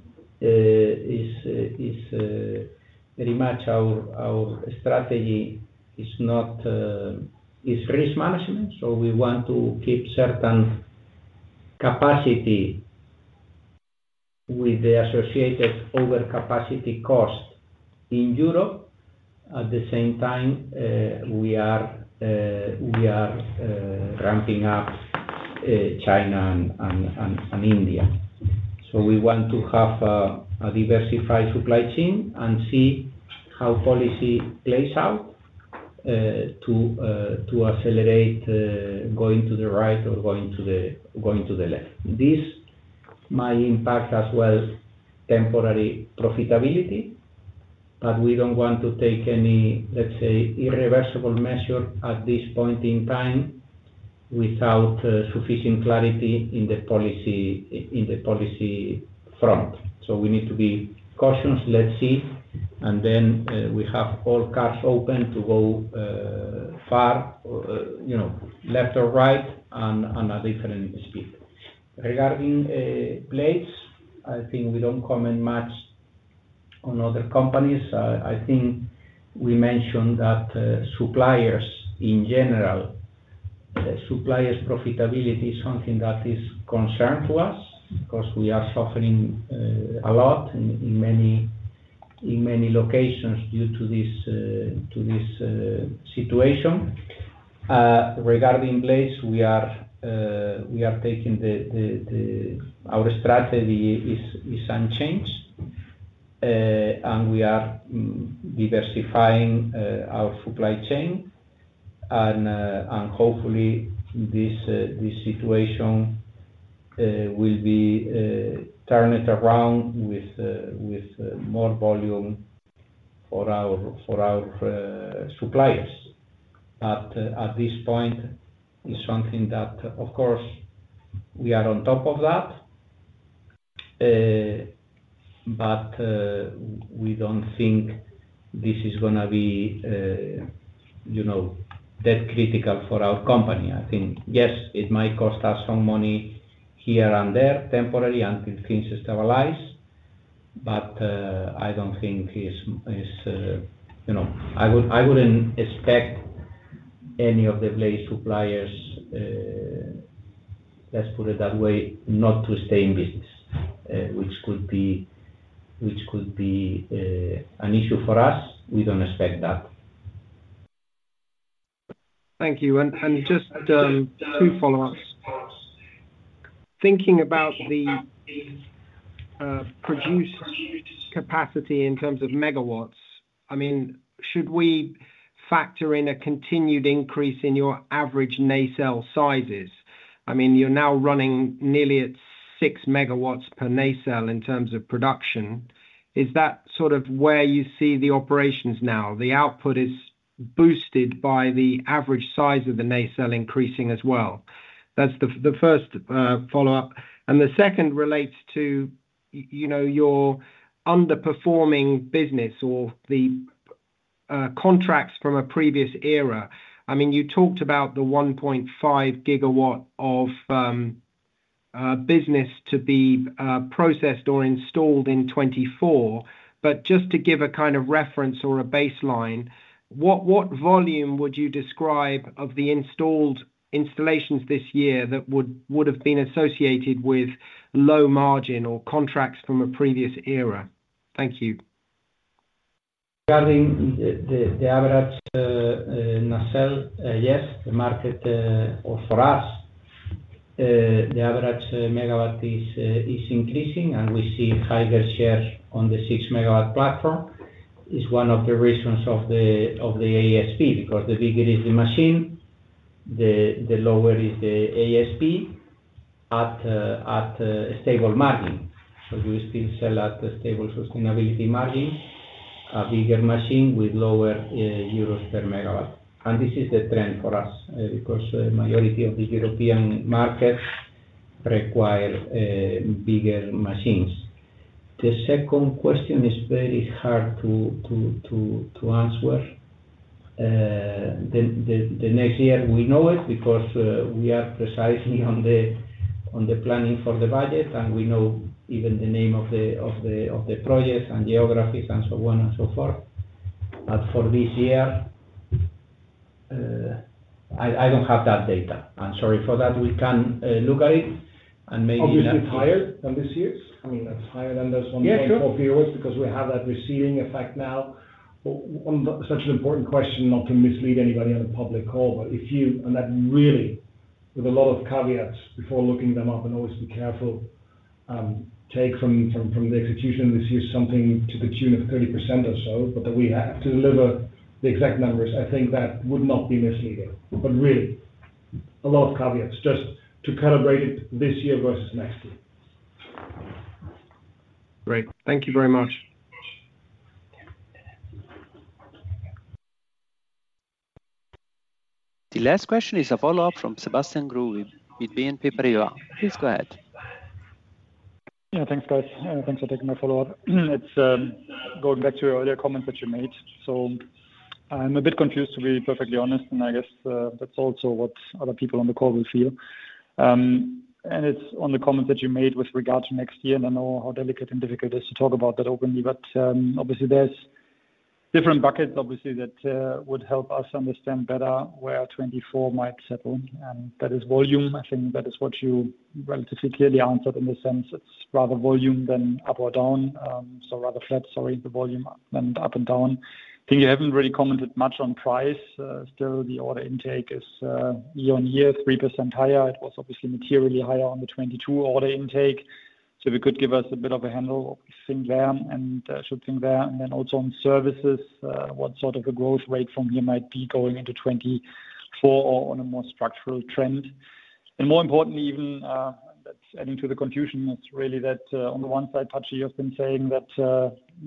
our strategy is very much risk management, so we want to keep certain capacity with the associated overcapacity cost in Europe. At the same time, we are ramping up China and India. So we want to have a diversified supply chain and see how policy plays out to accelerate going to the right or going to the left. This might impact as well temporary profitability, but we don't want to take any, let's say, irreversible measure at this point in time without sufficient clarity in the policy, in the policy front. So we need to be cautious. Let's see, and then we have all cards open to go far, you know, left or right, and a different speed. Regarding blades, I think we don't comment much on other companies. I think we mentioned that, suppliers in general, suppliers' profitability is something that is concern to us, because we are suffering a lot in many locations due to this situation. Regarding blades, our strategy is unchanged, and we are diversifying our supply chain. And hopefully this situation will be turned around with more volume for our suppliers, but at this point, it's something that, of course, we are on top of that. But we don't think this is gonna be, you know, that critical for our company. I think, yes, it might cost us some money here and there temporarily until things stabilize, but I wouldn't expect any of the blade suppliers, let's put it that way, not to stay in business, which could be an issue for us. We don't expect that. Thank you. And just two follow-ups. Thinking about the produced capacity in terms of megawatts should we factor in a continued increase in your average nacelle sizes? I mean, you're now running nearly at 6 MW per nacelle in terms of production. Is that sort of where you see the operations now? The output is boosted by the average size of the nacelle increasing as well. That's the first follow-up. And the second relates to, you know, your underperforming business or the contracts from a previous era. I mean, you talked about the 1.5 GW of business to be processed or installed in 2024. Just to give a kind of reference or a baseline, what volume would you describe of the installed installations this year that would have been associated with low margin or contracts from a previous era? Thank you. Regarding the average nacelle, yes, the market or for us, the average megawatt is increasing, and we see higher shares on the 6MW platform. It is one of the reasons of the ASP, because the bigger is the machine, the lower is the ASP at a stable margin. So we still sell at a stable sustainability margin, a bigger machine with lower EUR per megawatt. And this is the trend for us, because the majority of the European markets require bigger machines. The second question is very hard to answer. The next year we know it because we are precisely on the planning for the budget, and we know even the name of the projects and geographies and so on and so forth. But for this year, I don't have that data. I'm sorry for that. Obviously higher than this year's. I mean, that's higher than those one because we have that receding effect now. On such an important question, not to mislead anybody on a public call, and that really, with a lot of caveats before looking them up and always be careful, take from the execution, we see something to the tune of 30% or so, but that we have to deliver the exact numbers. I think that would not be misleading, but really, a lot of caveats just to calibrate it this year versus next year. Great. Thank you very much. The last question is a follow-up from Sebastian Growe with BNP Paribas. Please go ahead. Yeah, thanks, guys. Thanks for taking my follow-up. It's going back to your earlier comments that you made. So I'm a bit confused, to be perfectly honest, and I guess that's also what other people on the call will feel. And it's on the comments that you made with regard to next year, and I know how delicate and difficult it is to talk about that openly. But obviously, there's different buckets, obviously, that would help us understand better where 2024 might settle, and that is volume. I think that is what you relatively clearly answered in the sense it's rather volume than up or down. So rather flat, sorry, the volume and up and down. I think you haven't really commented much on price. Still, the order intake is year-on-year 3% higher. It was obviously materially higher on the 2022 order intake. So if you could give us a bit of a handle of you think there and should think there. And then also on services, what sort of a growth rate from here might be going into 2024 or on a more structural trend? And more importantly, even that's adding to the confusion, it's really that on the one side, Patxi, you have been saying that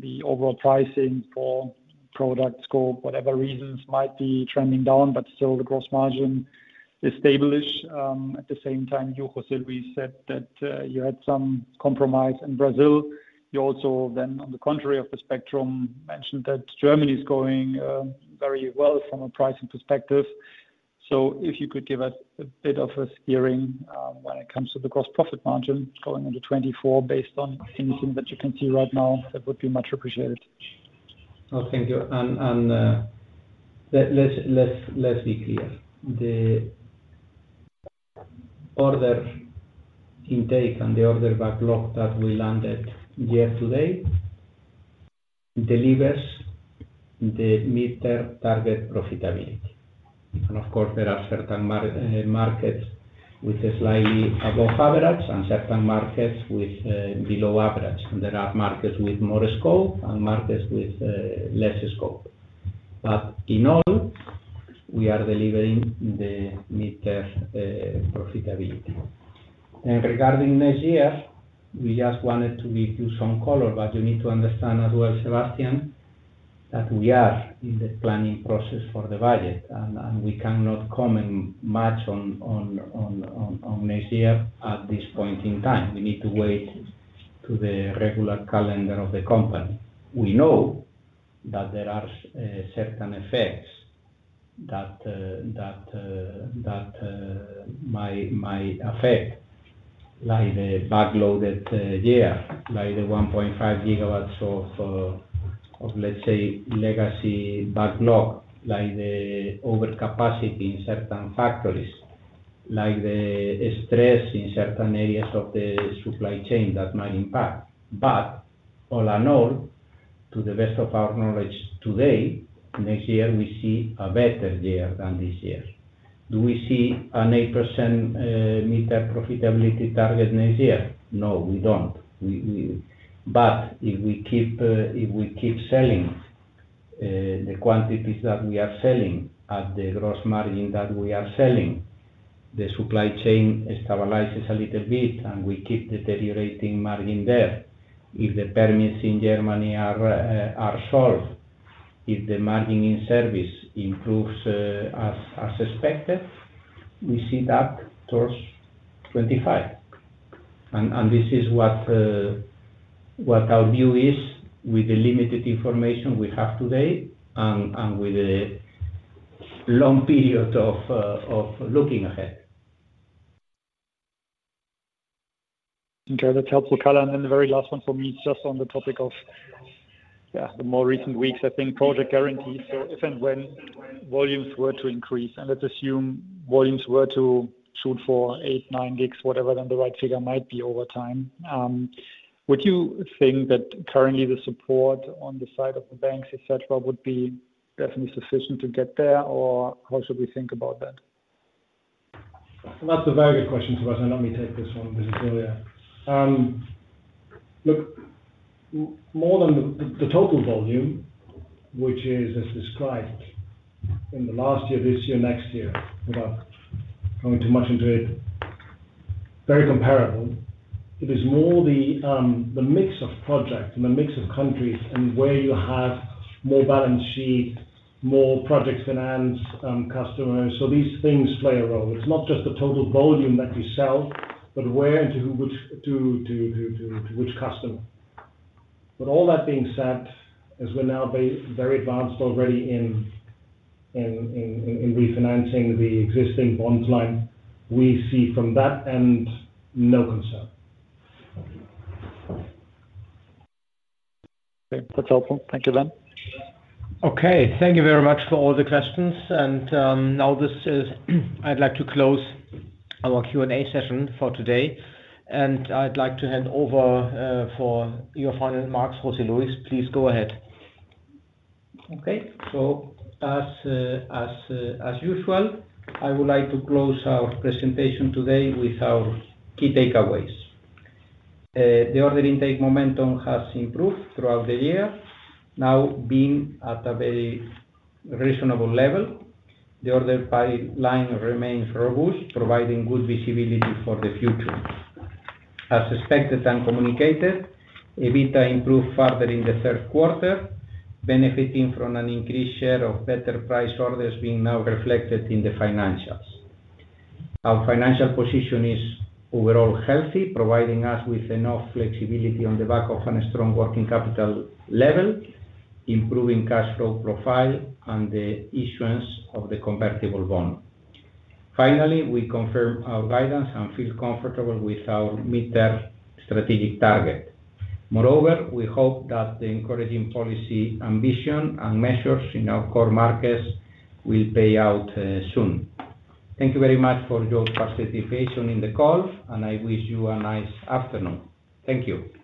the overall pricing for products, scope, whatever reasons, might be trending down, but still the gross margin is established. At the same time, you, José Luis, said that you had some compromise in Brazil. You also then, on the contrary of the spectrum, mentioned that Germany is going very well from a pricing perspective. If you could give us a bit of a steering, when it comes to the gross profit margin going into 2024, based on anything that you can see right now, that would be much appreciated. Oh, thank you. And let's be clear. The order intake and the order backlog that we landed year to date delivers the mid-term target profitability. And of course, there are certain markets with a slightly above average and certain markets with below average, and there are markets with more scope and markets with less scope. But in all, we are delivering the mid-term profitability. And regarding next year, we just wanted to give you some color, but you need to understand as well, Sebastian, that we are in the planning process for the budget, and we cannot comment much on next year at this point in time. We need to wait to the regular calendar of the company. We know that there are certain effects that might affect, like the backloaded year, like the 1.5GW of let's say, legacy backlog, like the overcapacity in certain factories, like the stress in certain areas of the supply chain that might impact. But all in all, to the best of our knowledge today, next year, we see a better year than this year. Do we see an 8% mid-term profitability target next year? No, we don't. We but if we keep selling the quantities that we are selling at the gross margin that we are selling, the supply chain stabilizes a little bit, and we keep the deteriorating margin there. If the permits in Germany are solved, if the margin in service improves as expected, we see that towards 2025. This is what our view is with the limited information we have today and with a long period of looking ahead. Okay, that's helpful, color. And then the very last one for me, just on the topic of the more recent weeks, I think project guarantees. So if and when volumes were to increase, and let's assume volumes were to shoot for 8G, 9G, whatever, then the right figure might be over time. Would you think that currently the support on the side of the banks, et cetera, would be definitely sufficient to get there, or how should we think about that? That's a very good question, Sebastian. Let me take this one, because earlier. Look, more than the total volume, which is as described in the last year, this year, next year, without going too much into it, very comparable. It is more the mix of project and the mix of countries and where you have more balance sheet, more project finance, customers. So these things play a role. It's not just the total volume that you sell, but where and to which customer. But all that being said, as we're now very advanced already in refinancing the existing bonds line, we see from that end, no concern. Okay. That's helpful. Thank you, then. Okay. Thank you very much for all the questions. Now this is, I'd like to close our Q&A session for today, and I'd like to hand over for your final remarks, José Luis, please go ahead. Okay. So as, as usual, I would like to close our presentation today with our key takeaways. The order intake momentum has improved throughout the year, now being at a very reasonable level. The order pipeline remains robust, providing good visibility for the future. As expected and communicated, EBITDA improved further in the third quarter, benefiting from an increased share of better price orders being now reflected in the financials. Our financial position is overall healthy, providing us with enough flexibility on the back of a strong working capital level, improving cash flow profile, and the issuance of the convertible bond. Finally, we confirm our guidance and feel comfortable with our mid-term strategic target. Moreover, we hope that the encouraging policy, ambition, and measures in our core markets will pay out, soon. Thank you very much for your participation in the call, and I wish you a nice afternoon. Thank you.